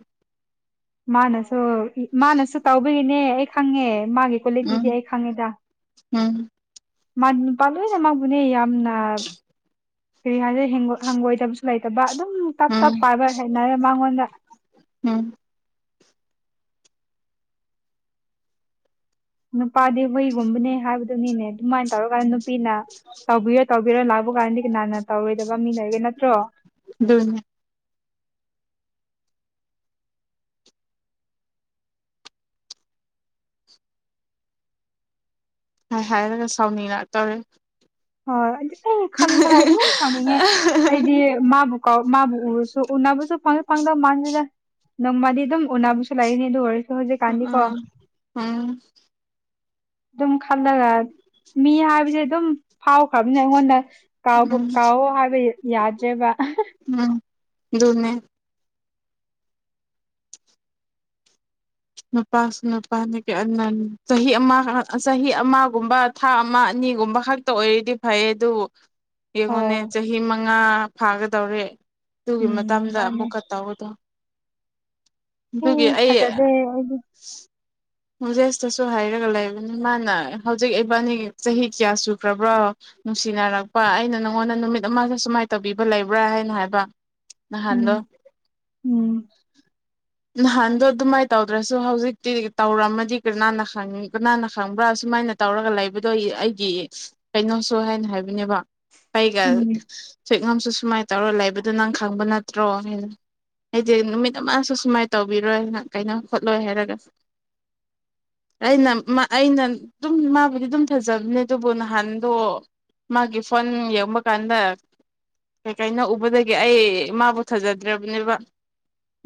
ꯃꯥꯅꯁ ꯑꯣ ꯃꯥꯅꯁꯨ ꯇꯥꯎꯕꯒꯤꯅꯦ ꯑꯩ ꯈꯪꯉꯦ ꯃꯥꯒꯤ ꯀꯣꯂꯤꯇꯤꯗꯤ ꯎꯝ ꯑꯩ ꯈꯪꯉꯦꯗ ꯎꯝ ꯃꯥꯥꯛ ꯅꯨꯄ ꯂꯣꯏꯅꯥꯅꯦ ꯃꯥꯕꯨꯅꯦ ꯌꯥꯝꯅ ꯀꯩ ꯍꯥꯏꯔꯦ ꯍꯪꯒꯣꯏꯖꯕꯁꯨ ꯂꯩꯇꯕ ꯑꯗꯨ ꯎꯝ ꯇꯞ ꯇꯞ ꯄꯥꯏꯕ ꯍꯩꯅꯔꯦ ꯃꯉꯣꯟꯗ ꯎꯝ ꯅꯨꯄꯥꯗꯤ ꯍꯨꯏꯒꯨꯝꯕꯅꯦ ꯍꯥꯏꯕꯗꯨꯅꯤꯅꯦ ꯑꯗꯨꯃꯥꯏꯅ ꯇꯧꯔꯒ ꯅꯨꯄꯤꯅ ꯇꯧꯕꯤꯔꯣ ꯇꯧꯕꯤꯔꯣ ꯂꯥꯛꯄ ꯀꯥꯟꯗꯤ ꯀꯅꯥꯅ ꯇꯧꯔꯣꯏꯗꯕ ꯃꯤ ꯂꯩꯔꯒꯦ ꯅꯠꯇ꯭ꯔꯣ ꯑꯗꯨꯅꯦ ꯍꯥꯏ ꯍꯥꯏꯒ ꯁꯥꯎꯅꯤꯉꯛ ꯇꯧꯔꯦ ꯍꯣꯏ ꯑꯩ ꯈꯟ ꯈꯂꯗꯤ ꯌꯥꯝ ꯁꯥꯎꯅꯤꯡꯉꯦ ꯑꯩꯗꯤ ꯃꯥꯕꯨ ꯀ ꯃꯥꯕꯨ ꯎꯔꯁꯨ ꯎꯅꯕꯨꯁꯨ ꯐꯪꯗ ꯐꯪꯗꯕ ꯃꯥꯁꯤꯗ ꯅꯪ ꯃꯥꯗꯤ ꯑꯗꯨꯝ ꯎꯅꯥꯕꯨꯁꯨ ꯂꯥꯛꯏꯅꯦ ꯑꯗꯨ ꯑꯣꯏꯔ ꯑꯥ ꯎꯝ [unintelligible] ꯊꯝꯂꯒ ꯃꯤ ꯍꯥꯏꯕꯗꯤ ꯑꯗꯨꯝ ꯐꯥꯎꯈ꯭ꯔꯕꯅ ꯑꯩꯉꯣꯟꯗ ꯀꯥꯎꯕ ꯎꯝ ꯀꯥꯎꯑꯣ ꯍꯥꯏꯕ ꯌꯥꯗ꯭ꯔꯦꯕ ꯎꯝ ꯑꯗꯨꯅꯦ ꯅꯨꯄꯥꯁꯨ ꯅꯨꯄꯥꯅ ꯀ ꯆꯍꯤ ꯑꯃ ꯆꯍꯤ ꯑꯃꯒꯨꯝꯕ ꯊꯥ ꯑꯃ ꯑꯅꯤꯒꯨꯝꯕ ꯈꯛꯇ ꯑꯣꯏꯔꯤꯗꯤ ꯐꯩ ꯑꯗꯨꯕꯨ ꯌꯦꯉꯣꯟꯅꯦ ꯑꯣ ꯆꯍꯤ ꯃꯉꯥ ꯐꯥꯒꯗꯧꯔꯦ ꯑꯗꯨꯒꯤ ꯎꯝ ꯃꯇꯝꯗ ꯃꯥꯅꯦ ꯑꯃꯨꯛꯀ ꯇꯧꯗꯣ ꯑꯦ ꯑꯗꯨꯒꯤ ꯑꯩ [unintelligible] ꯃꯖꯦꯁꯇꯁꯨ ꯍꯥꯏꯔꯒ ꯂꯩꯕꯅꯤ ꯃꯥꯅ ꯍꯧꯖꯤꯛ ꯏꯕꯥꯅꯤꯒꯤ ꯆꯍꯤ ꯀꯌꯥ ꯁꯨꯈ꯭ꯔꯕ꯭ꯔꯥ ꯅꯨꯡꯁꯤꯅꯔꯛꯄ ꯑꯩꯅ ꯅꯪꯉꯣꯟꯗ ꯅꯨꯃꯤꯠ ꯑꯃꯒꯤ ꯁꯨꯃꯥꯏꯅ ꯇꯧꯕꯤꯕ ꯂꯩꯕ꯭ꯔꯥ ꯍꯥꯏꯅ ꯍꯥꯏꯕ꯫꯫ [unintelligible] ꯎꯝ ꯅꯍꯥꯟꯂꯣ꯫ ꯎꯝ ꯅꯍꯥꯟꯗꯣ ꯑꯗꯨꯃꯥꯏ ꯇꯧꯗ꯭ꯔꯁꯨ ꯍꯧꯖꯤꯛꯇꯤ ꯇꯧꯔꯝꯃꯗꯤ ꯀꯅꯥꯅ ꯈꯪ ꯀꯅꯥꯅ ꯈꯪꯕ꯭ꯔꯥ ꯁꯨꯃꯥꯏꯅ ꯇꯧꯔꯒ ꯂꯩꯕꯗꯣ ꯑꯩꯒꯤ ꯀꯩꯅꯣꯁꯨ ꯍꯥꯏꯅ ꯍꯥꯏꯕꯅꯦꯕ ꯑꯩꯒ ꯎꯝ ꯁꯨꯏꯉꯝꯁꯨ ꯁꯨꯃꯥꯏꯅ ꯇꯧꯔ ꯂꯩꯕꯗꯨ ꯅꯪ ꯈꯡ ꯈꯪꯕ ꯅꯠꯇ꯭ꯔꯣ ꯍꯥꯏꯗꯤ ꯅꯨꯃꯤꯠ ꯑꯃꯁꯨ ꯁꯨꯃꯥꯏꯅ ꯇꯧꯕꯤꯔꯣꯏꯅ ꯀꯩꯅ ꯈꯣꯠꯂꯣꯏ ꯍꯥꯏꯔꯒ ꯑꯩꯅ ꯑꯩꯅ ꯑꯗꯨꯝ ꯃꯥꯕꯨꯗꯤ ꯑꯗꯨꯝ ꯊꯖꯕꯅꯦ ꯑꯗꯨꯕꯨ ꯅꯍꯥꯟꯗꯣ ꯃꯥꯒꯤ ꯐꯣꯟ ꯌꯦꯡꯕ ꯀꯥꯟꯗ ꯀꯩꯀꯩꯅꯣ ꯎꯕꯗꯒꯤ ꯑꯩ ꯃꯥꯕꯨ ꯊꯖꯗ꯭ꯔꯕꯅꯦꯕ꯫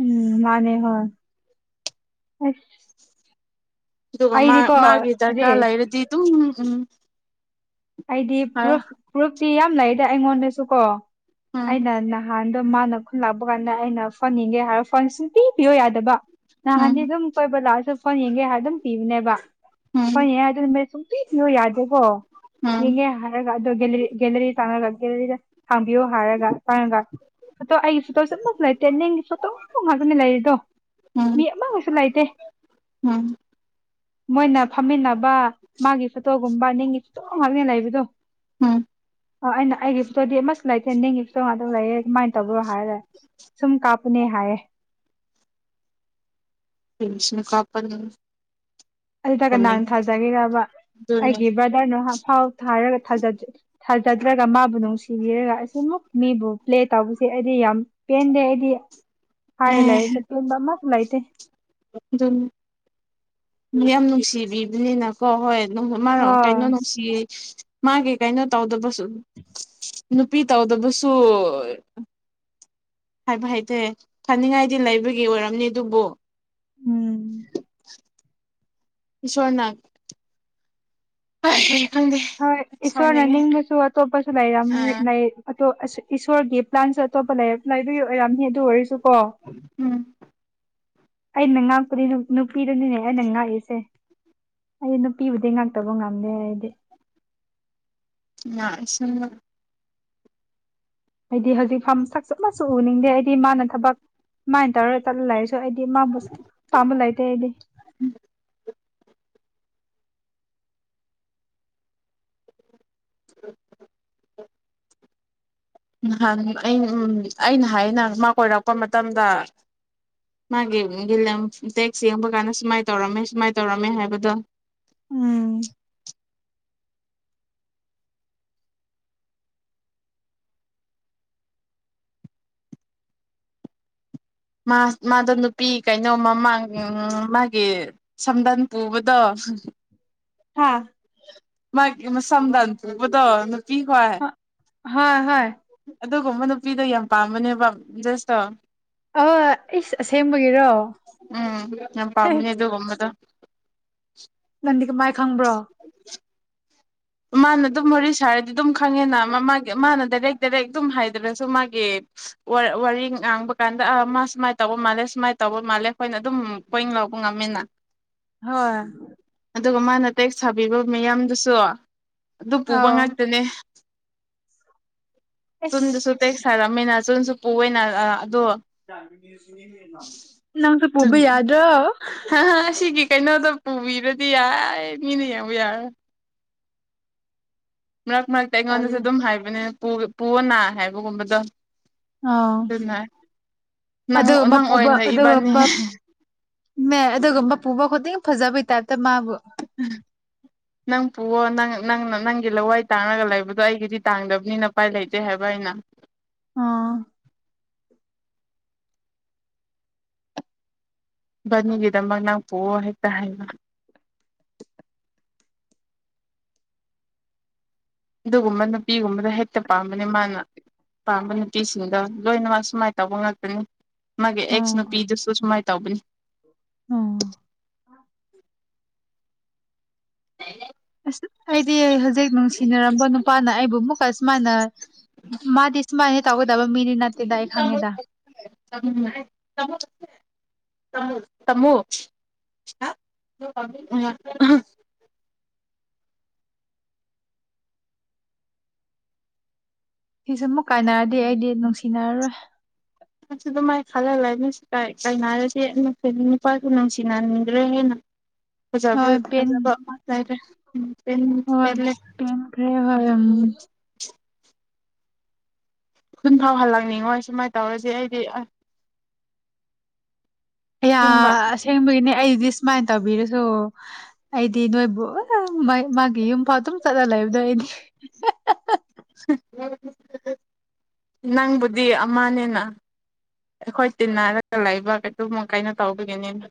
ꯎꯝ ꯃꯥꯅꯦ ꯍꯣꯏ꯫ [unintelligible] ꯑꯗꯨꯒ ꯃꯥ ꯑꯩꯗꯤꯀꯣ ꯃꯥꯒꯤ ꯑꯗꯨ ꯗꯔꯀꯥꯔ ꯂꯩꯔꯗꯤ ꯑꯗꯨꯝ ꯎꯝ ꯑꯩꯗꯤ ꯍꯥꯏ ꯄ꯭ꯔꯨꯞ ꯄ꯭ꯔꯨꯞꯇꯤ ꯌꯥꯝ ꯂꯩꯗ ꯑꯩꯉꯣꯟꯗꯁꯨ ꯀꯣ꯫ ꯎꯝ ꯑꯩꯅ ꯅꯍꯥꯟ ꯑꯗꯣ ꯃꯥꯅ ꯈꯨꯟ ꯂꯥꯛꯄ ꯀꯥꯟꯗ ꯑꯩꯅ ꯐꯣꯟ ꯌꯦꯡꯒꯦ ꯍꯥꯏꯕ ꯐꯣꯟ ꯁꯨꯡꯄꯤ ꯄꯤꯌꯣ ꯌꯥꯗꯕ ꯅꯍꯥꯟꯗꯤ ꯎꯝ ꯑꯗꯨꯝ ꯀꯣꯏꯕ ꯂꯥꯛꯑꯁꯨ ꯐꯣꯟ ꯌꯦꯡꯒꯦ ꯍꯥꯏ ꯑꯗꯨꯝ ꯄꯤꯕꯅꯦꯕ [unintelligible] ꯎꯝ [unintelligible] ꯌꯥꯗꯦꯀꯣ꯫ ꯎꯝ ꯃꯤꯅꯦ [unintelligible] ꯑꯗꫭ ꯒꯦꯂꯔꯤ ꯍꯥꯡꯕꯤꯌꯣ ꯍꯥꯏꯔꯒ ꯇꯥꯡꯉꯒ ꯐꯣꯇꯣ ꯑꯩꯒꯤ ꯐꯣꯇꯣ [unintelligible] ꯅꯪꯒꯤ ꯐꯣꯇꯣ ꯉꯥꯛꯇꯅꯤ ꯂꯩꯔꯤꯗꯣ ꯎꯝ ꯃꯤ ꯑꯃꯒꯁꯨ ꯂꯩꯇꯦ ꯎꯝ ꯃꯣꯏꯅ ꯐꯝꯃꯤꯟꯅ ꯕꯥ ꯃꯥꯒꯤ ꯐꯣꯇꯣ [unintelligible] ꯐ‌‌ꫭꯇꫭ ꯉꯥꯛꯅꯤ ꯂꯩꯕꯗꯣ ꯑ ꯑꯩꯅ ꯑꯩꯒꯤ ꯐꯣꯇꯣꯗꯤ ꯑꯃꯁꯨ ꯂꯩ [unintelligible] [unintelligible] ꯑꯗꯨ ꯂꯩꯑꯦ ꯑꯗꯨꯃꯥꯏꯅ ꯇꯧꯕ꯭ꯔꯣ ꯍꯥꯏꯔꯒ ꯁꯨꯝ ꯀꯥꯞꯄꯅꯦ ꯍꯥꯏꯌꯦ꯫ [inaudible] ꯕꯤꯁꯅꯨ ꯀꯥꯄ [unintelligible] ꯑꯗꯨꯗ ꯀꯟ ꯊꯥꯖꯒ‌ꯦꯔꯕ ꯑꯗꯨꯅꯤ ꯑꯩꯒꯤ ꯕ꯭ꯔꯗꯔꯅ ꯐꯥꯎ ꯊꯥꯔꯒ ꯊꯥꯖ ꯊꯥꯖꯗ꯭ꯔꯒ ꯃꯥꯕꯨ ꯅꯨꯡ [unintelligible] ꯅꯨꯡꯁꯤꯕꯤꯔꯒꯥ ꯑꯁꯨꯃꯨꯛ ꯃꯤꯕꯨ ꯄ꯭ꯂꯦ ꯇꯧꯕꯁꯦ ꯑꯩꯗꯤ ꯌꯥꯝ ꯄꯦꯟꯗꯦ ꯑꯩꯗꯤ꯫ ꯍꯥꯏꯔꯦ ꯂꯑꯦ ꯑꯦ ꯁꯄꯦꯟ ꯃꯥ ꯀ ꯂꯥꯏꯇ ꯃꯤ ꯌꯥꯝ ꯅꯨꯡꯁꯤꯕꯤꯕꯅꯤꯅꯀꯣ ꯍꯣꯏ ꯃꯔ ꯀꯩꯅꯣ ꯍꯣꯏ ꯅꯨꯡꯁꯤ ꯃꯥꯒꯤ ꯀꯩꯅꯣ ꯇꯧꯗꯕꯁꯨ ꯅꯨꯄꯤ ꯇꯧꯗꯕꯁꯨ ꯍꯥꯏꯕ ꯍꯥꯏꯇꯔꯦ ꯐꯅꯤꯡꯉꯥꯏꯗꯤ ꯂꯩꯕꯒꯤ ꯑꯣꯏꯔꯝꯅꯤ ꯑꯗꯨꯕꯨ ꯎꯝ [inaudible] ꯁꯣꯔꯅꯥꯠ [unintelligible] ꯍꯣꯏ ꯁꯥꯎꯅꯤꯡꯉꯦ ꯏꯁꯣꯔꯅꯅꯤꯡꯕꯁꯨ ꯑꯇꯣꯞꯄꯁꯨ ꯂꯩꯔꯝ ꯑꯣ ꯏꯁꯣꯔꯒꯤ ꯄ꯭ꯂꯥꯟꯁꯨ ꯑꯇꯣꯞꯄꯗꯨꯒꯤ ꯑꯣꯏꯔꯝꯅꯤ ꯑꯗꯨ ꯑꯣꯏꯔꯁꯨ ꯀ ꯎꯝ ꯑꯩꯅ ꯉꯥꯛꯄꯗꯤ ꯅꯨꯄꯤꯗꯨꯅꯤꯅꯦ ꯑꯩꯅ ꯉꯥꯛꯏꯁꯦ ꯑꯩ ꯅꯨꯄꯤꯕꯨꯗꯤ ꯉꯥꯛꯇꯕ ꯉꯝꯗꯦ ꯍꯥꯏꯗꯤ ꯑꯁꯨꯝ ꯍꯥꯏꯗꯤ ꯍꯧꯖꯤꯛ ꯐꯥ ꯁꯛ ꯆꯞ ꯃꯁꯨ ꯎꯅꯤꯡꯗꯦ ꯑꯩꯗꯤ ꯃꯥꯅ ꯊꯕꯛ ꯃꯥꯏꯅ ꯇꯧꯔꯒ ꯆꯠꯂ ꯂꯩꯔꯁꯨ ꯑꯩꯗꯤ ꯃꯥꯕꯨ ꯁ ꯄꯥꯝꯕ ꯂꯩꯇꯦ ꯑꯩꯗꯤ [inaudible] ꯅꯍꯥꯟ ꯑ ꯎ ꯑꯩꯅ ꯍꯥꯏꯩꯅ ꯃꯥ ꯀꯣꯏꯔꯛꯄ ꯃꯇꯝꯗ ꯃꯥꯒꯤ ꯇꯦꯛꯁ ꯌꯦꯡꯕ ꯀꯥꯟꯗ ꯁꯨꯃꯥꯏꯅ ꯇꯧꯔꯝꯃꯦ ꯁꯨꯃꯥꯏꯅ ꯇꯧꯔꯝꯃꯦ ꯍꯥꯏꯕꯗꯣ ꯎꯝ ꯃꯥꯗꯣ ꯅꯨꯄꯤ ꯀꯩꯅꯣ ꯃꯃꯥꯡ ꯃꯥꯒꯤ ꯁꯝꯗꯟ ꯄꯨꯕꯗꯣ ꯍꯥꯥ ꯃꯥꯒꯤ ꯁꯗꯥ ꯇꯨꯕꯨꯗ ꯄ ꯀ ꯍꯣ ꯍꯣꯏ ꯍꯣꯏ ꯑꯗꯨꯒꯨꯝꯕ ꯅꯨꯄꯤꯗꯣ ꯌꯥꯝ ꯄꯥꯝꯕꯅꯦꯕ ꯖꯦꯁꯇꯣ ꯑ ꯑꯩ ꯑꯁꯦꯡꯕꯒꯤꯔꯣ ꯎꯝ ꯌꯥꯝ ꯑꯦ ꯄꯝꯅ ꯑꯗꯨ ꯑꯣꯃꯗ [inaudible] ꯗꯤ ꯀꯃꯥꯏ ꯈꯪꯕ꯭ꯔꯣ ꯃꯥꯅ ꯑꯗꯨꯝ ꯋꯥꯔꯤ ꯁꯥꯔꯗꯤ ꯑꯗꯨꯝ ꯈꯪꯉꯤꯅ ꯃꯥꯒꯤ ꯃꯥꯅ ꯗꯥꯏꯔꯦꯛ ꯗꯥꯏꯔꯦꯛ ꯑꯗꯨꯝ ꯍꯥꯏꯗ꯭ꯔꯁꯨ ꯃꯥꯒꯤ ꯋꯥꯔꯤ ꯉꯥꯡꯕ ꯀꯥꯟꯗ ꯃꯥ ꯁꯨꯃꯥꯏꯅ ꯇꯧꯕ ꯃꯥꯜꯂꯦ ꯁꯨꯃꯥꯏꯅ ꯇꯧꯕ ꯃꯥꯜꯂꯦ ꯑꯩꯈꯣꯏꯅ ꯑꯗꯨꯝ ꯄꯣꯏꯟ ꯂꯧꯕ ꯉꯝꯃꯤꯅ ꯍꯣꯏ ꯑꯗꯨꯒ ꯃꯥꯅ ꯇꯦꯛꯁ ꯁꯥꯕꯤꯕ ꯃꯤꯌꯥꯝꯗꯨꯁꯨ ꯑꯗꯨ ꯄꯨꯕ ꯑꯧ ꯉꯥꯛꯇꯅꯦ ꯇꯟꯗ ꯑꯁ ꯁꯄ ꯁꯥꯔꯝꯃꯤꯅ ꯆꯨ ꯆꯄꯨ ꯑꯣꯏꯅ ꯑꯗꯣ ꯅꯪꯁꯨ ꯄꯨꯕꯤ ꯌꯥꯗ꯭ꯔꯣ ꯍꯥ ꯁꯤꯒꯤ ꯀꯩꯅꯣꯗ ꯎꯕꯤꯔꯗꯤ ꯌꯥꯏ ꯃꯤꯅꯤꯕꯨ ꯌꯥꯔ ꯃꯔꯛ ꯃꯔꯛꯇ ꯑꯩꯉꯣꯟꯗꯁꯨ ꯇꯜꯂꯦ ꯑꯗꯨꯝ ꯍꯥꯏꯕꯅꯦ ꯄꯨꯑꯅꯥ ꯍꯥꯏꯕꯒꯨꯝꯕꯗꯣ ꯑꯥꯎ ꯑꯗꯨꯅ ꯅꯪ ꯑꯗꯨꯒꯕ ꯅꯪ ꯄꯨꯕ ꯑꯣꯏꯅ ꯏꯕꯥꯅꯤ ꯑꯗꯨꯒꯨꯝꯕ ꯃ ꯑꯗꯨꯒꯨꯝꯕ ꯄꯨꯕ ꯈꯨꯗꯤꯡ ꯐꯖꯕꯩ ꯇꯃꯕꯨ ꯑꯣ ꯅꯪ ꯅꯪꯅ ꯅꯪꯒꯤ ꯂꯋꯥꯏ ꯇꯥꯡꯔꯒ ꯂꯩꯕꯗꯣ ꯑꯩꯒꯤꯗꯤ ꯇꯥꯡꯗꯕꯅꯤꯅ ꯎꯄꯥꯏ ꯂꯩꯇꯦ ꯍꯥꯏꯕ ꯑꯩꯅ ꯑꯥ ꯅꯤꯒꯗ ꯃꯥ ꯅꯪ ꯄ ꯍꯥꯏ ꯇ ꯍꯥꯏꯅ ꯑꯗꯨꯒꯨꯝꯕ ꯅꯨꯄꯤꯒꯨꯝꯕꯗꯣ ꯍꯦꯛꯇ ꯄꯥꯝꯕꯅꯤ ꯃꯥꯅ ꯄꯥꯝꯕ ꯅꯨꯄꯤꯁꯤꯡꯗꯣ ꯂꯣꯏꯅꯃꯛ ꯁꯨꯃꯥꯏꯅ ꯇꯧꯕ ꯉꯥꯛꯇꯅꯤ ꯃꯥꯒꯤ ꯑꯦꯛꯁ ꯑꯥ ꯅꯨꯄꯤꯗꯨꯁꯨ ꯁꯨꯃꯥꯏꯅ ꯇꯧꯕꯅꯤ ꯑꯥ ꯍ ꯑꯁ ꯑꯩꯗꯤ ꯍꯧꯖꯤꯛ ꯅꯨꯡꯁꯤꯅꯔꯝꯕ ꯅꯨꯄꯥꯅ ꯑꯩꯕꯨ ꯑꯃꯨꯛꯀ ꯁꯨꯃꯥꯏꯅ ꯃꯥꯗꯤ ꯁꯨꯃꯥꯏꯅ ꯇꯧꯒꯗꯕ ꯃꯤꯔꯤꯅꯥꯇꯗꯥꯏ ꯈꯥꯉꯦꯗ ꯇꯃꯣ ꯁꯤꯁꯨ ꯑꯃꯨꯛ ꯀꯥꯏꯅꯔꯗꯤ ꯑꯩꯗꯤ ꯅꯨꯡꯁꯤꯅꯔꯔꯣꯏ ꯑꯁꯨ ꯑꯗꯨꯃꯥꯏꯅ ꯈꯜꯍꯜꯂꯦꯁꯨ ꯀꯥꯏꯅꯔꯗꯤ ꯅ ꯐꯦ ꯅꯨꯄꯥꯁꯨ ꯅꯨꯡꯁꯤꯅꯍꯟꯗ꯭ꯔꯦ ꯍꯦꯟꯅ ꯐꯖꯕ ꯐꯖꯕ ꯃꯥ ꯆꯥꯏꯔꯦ ꯍ꯭ꯔꯦ ꯍ [unintelligible] ꯈꯨꯟ ꯐꯥꯎ ꯍꯜꯂꯛꯅꯤꯡꯉꯣꯏ ꯁꯨꯃꯥꯏꯅ ꯇꯧꯔꯁꯦ ꯑꯩꯗꯤ ꯑ ꯑꯁꯦꯡꯕ ꯑꯁꯦꯡꯕꯒꯤꯅꯦ ꯑꯩꯗꯤ ꯁꯨꯃꯥꯏꯅ ꯇꯧꯕꯤꯔꯁꯨ ꯑꯩꯗꯤ ꯅꯣꯏꯕꯨ ꯃꯥꯒꯤ ꯌꯨꯝ ꯐꯥꯎ ꯝ ꯆꯠꯅ ꯂꯩꯕꯗꯣ ꯑꯩꯗꯤ [unintelligible] ꯅꯪꯕꯨꯗꯤ ꯑꯃꯅꯦꯅ ꯑꯩꯈꯣꯏ ꯇꯤꯟꯅꯔꯒ ꯂꯩꯕ ꯀꯩꯗꯕ ꯀꯥꯏꯩꯅꯣ ꯇꯧꯕꯒꯤꯅꯤꯅ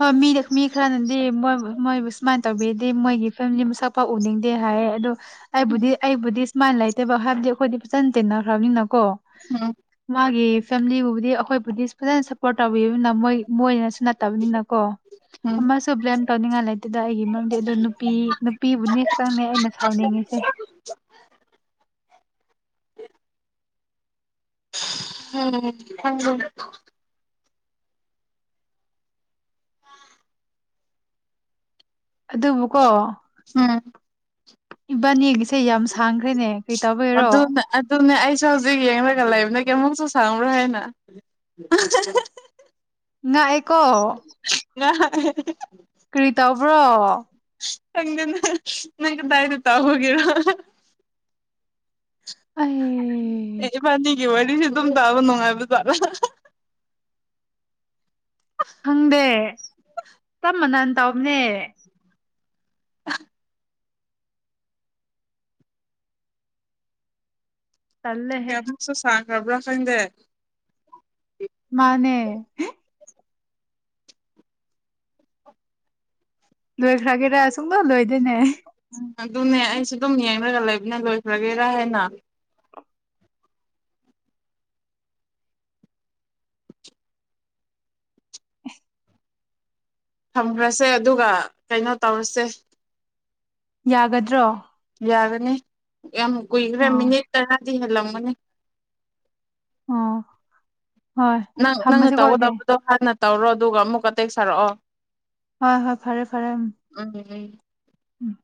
ꯍꯣꯏ ꯃꯤꯔ ꯃꯤ ꯈꯔꯅꯤꯡꯗꯦ ꯃꯣꯏ ꯃꯣꯏꯕꯨ ꯁꯨꯃꯥꯏꯅ ꯇꯧꯕꯤꯗꯤ ꯃꯣꯏꯒꯤ ꯐꯦꯃꯤꯂꯤ ꯃꯁꯛꯄꯥꯎꯎꯅꯤꯡꯗꯦ ꯍꯥꯏꯌꯦ ꯑꯗꯣ ꯑꯩꯥꯏꯕꯨꯙ ꯑꯩꯕꯨꯙ ꯃꯥꯥꯏ ꯂꯩꯇꯦꯕ ꯍꯥꯏꯕꯗꯤ ꯑꯩꯈꯣꯏꯗꯤ ꯐꯖꯅ ꯇꯦꯟꯅꯈ꯭ꯔꯕꯅꯤꯅ ꯀꯣ ꯎꯝ ꯃꯥꯒꯤ ꯐꯦꯃꯤꯂꯤꯕꯨꯗꯤ ꯑꯩꯈꯣꯏꯕꯨꯗꯤ ꯐꯅ ꯁꯄꯣꯔꯠ ꯑ ꯃꯣꯏ ꯃꯣꯏꯅꯁꯨ ꯅꯠꯇꯕꯅꯤꯅ ꯎꯝ ꯑꯃꯁꯨ ꯕ꯭ꯂꯦꯝ ꯇꯧꯅꯤꯡꯉꯥꯏ ꯂꯩꯇꯦꯗ ꯑꯩꯒꯤ ꯃꯔꯝꯗꯤ ꯑꯗꯨ ꯅꯨꯄꯤ ꯅꯨꯄꯤꯕꯨꯅꯦ ꯈꯛꯇꯪꯅꯦ ꯑꯩꯅ ꯁꯥꯎꯅꯤꯡꯉꯤꯁꯦ [inaudible] ꯎꯝ ꯊꯪ ꯑꯗꯨꯕꯨꯀꯣ ꯎꯝ ꯏꯕꯥꯅꯤꯒꯤꯁꯦ ꯌꯥꯝ ꯁꯥꯡꯈ꯭ꯔꯦꯅꯦ ꯀꯔꯤ ꯇꯧꯕꯩꯔꯣ ꯑꯗꯨꯅꯦ ꯑꯗꯨꯅꯦ ꯑꯩꯁꯨ ꯍꯧꯖꯤꯛ ꯌꯦꯡꯂꯒ ꯂꯩꯕꯅꯦ ꯀꯃꯛꯁꯨ ꯁꯝꯔ ꯍꯥꯏꯦꯅ ꯅ ꯑꯦ ꯀꯣ ꯉ [unintelligible] ꯍꯪꯅꯦ ꯅꯪꯒ ꯇꯥꯏꯗ ꯇ ꯍꯒꯔ ꯑꯩ ꯑꯦꯗꯤꯕꯥꯅꯤ ꯒꯤ ꯋꯥ ꯑꯗꯨꯁꯨ ꯑꯗꯨꯝ ꯇꯥꯕ ꯅꯨꯡꯉꯥꯏꯕꯖꯥꯔ ꯈꯪꯗꯦ ꯇꯃꯅ ꯇꯝꯅꯦ ꯇꯜꯂꯦꯍꯦ ꯀꯁꯨ ꯁ ꯉꯕ꯭ꯔꯥ ꯐꯪꯗꯦ ꯃꯥꯅꯦ ꯂꯣꯏꯈ꯭ꯔꯒꯦꯔ ꯁꯨꯡꯗꯣ ꯂꯣꯏꯗꯣꯏꯅꯦ ꯑꯗꯨꯅꯦ ꯑꯩꯁꯨ ꯑꯗꯨꯝ ꯌꯦꯡꯂꯒ ꯂꯩꯕꯅ ꯂꯣꯏꯈ꯭ꯔꯒꯦꯔ ꯍꯥꯏꯅ ꯊꯝꯈ꯭ꯔꯁꯦ ꯑꯗꯨꯒ ꯀꯩꯅꯣ ꯇꯧꯔꯁꯦ ꯌꯥꯒꯗ꯭ꯔꯣ ꯌꯥꯒꯅꯦ ꯌꯥꯝ ꯀꯨꯏꯈ꯭ꯔꯦ ꯑꯣ ꯃꯤꯅꯤꯠ ꯇꯔꯥ ꯍꯂꯝ ꯃꯅꯤ ꯑꯥ ꯅꯪ ꯅꯪꯅ ꯇꯧꯒ ꯇꯧꯕꯗꯣ ꯍꯥꯟꯅ ꯇꯧꯔꯣ ꯑꯗꯨꯒ ꯑꯃꯨꯛ ꯀ ꯇꯦꯛ ꯁꯥꯔꯛꯑꯣ ꯍꯣꯏ ꯍꯣꯏ ꯐꯔꯦ ꯐꯔꯦ ꯎ ꯎꯝ ꯎꯝ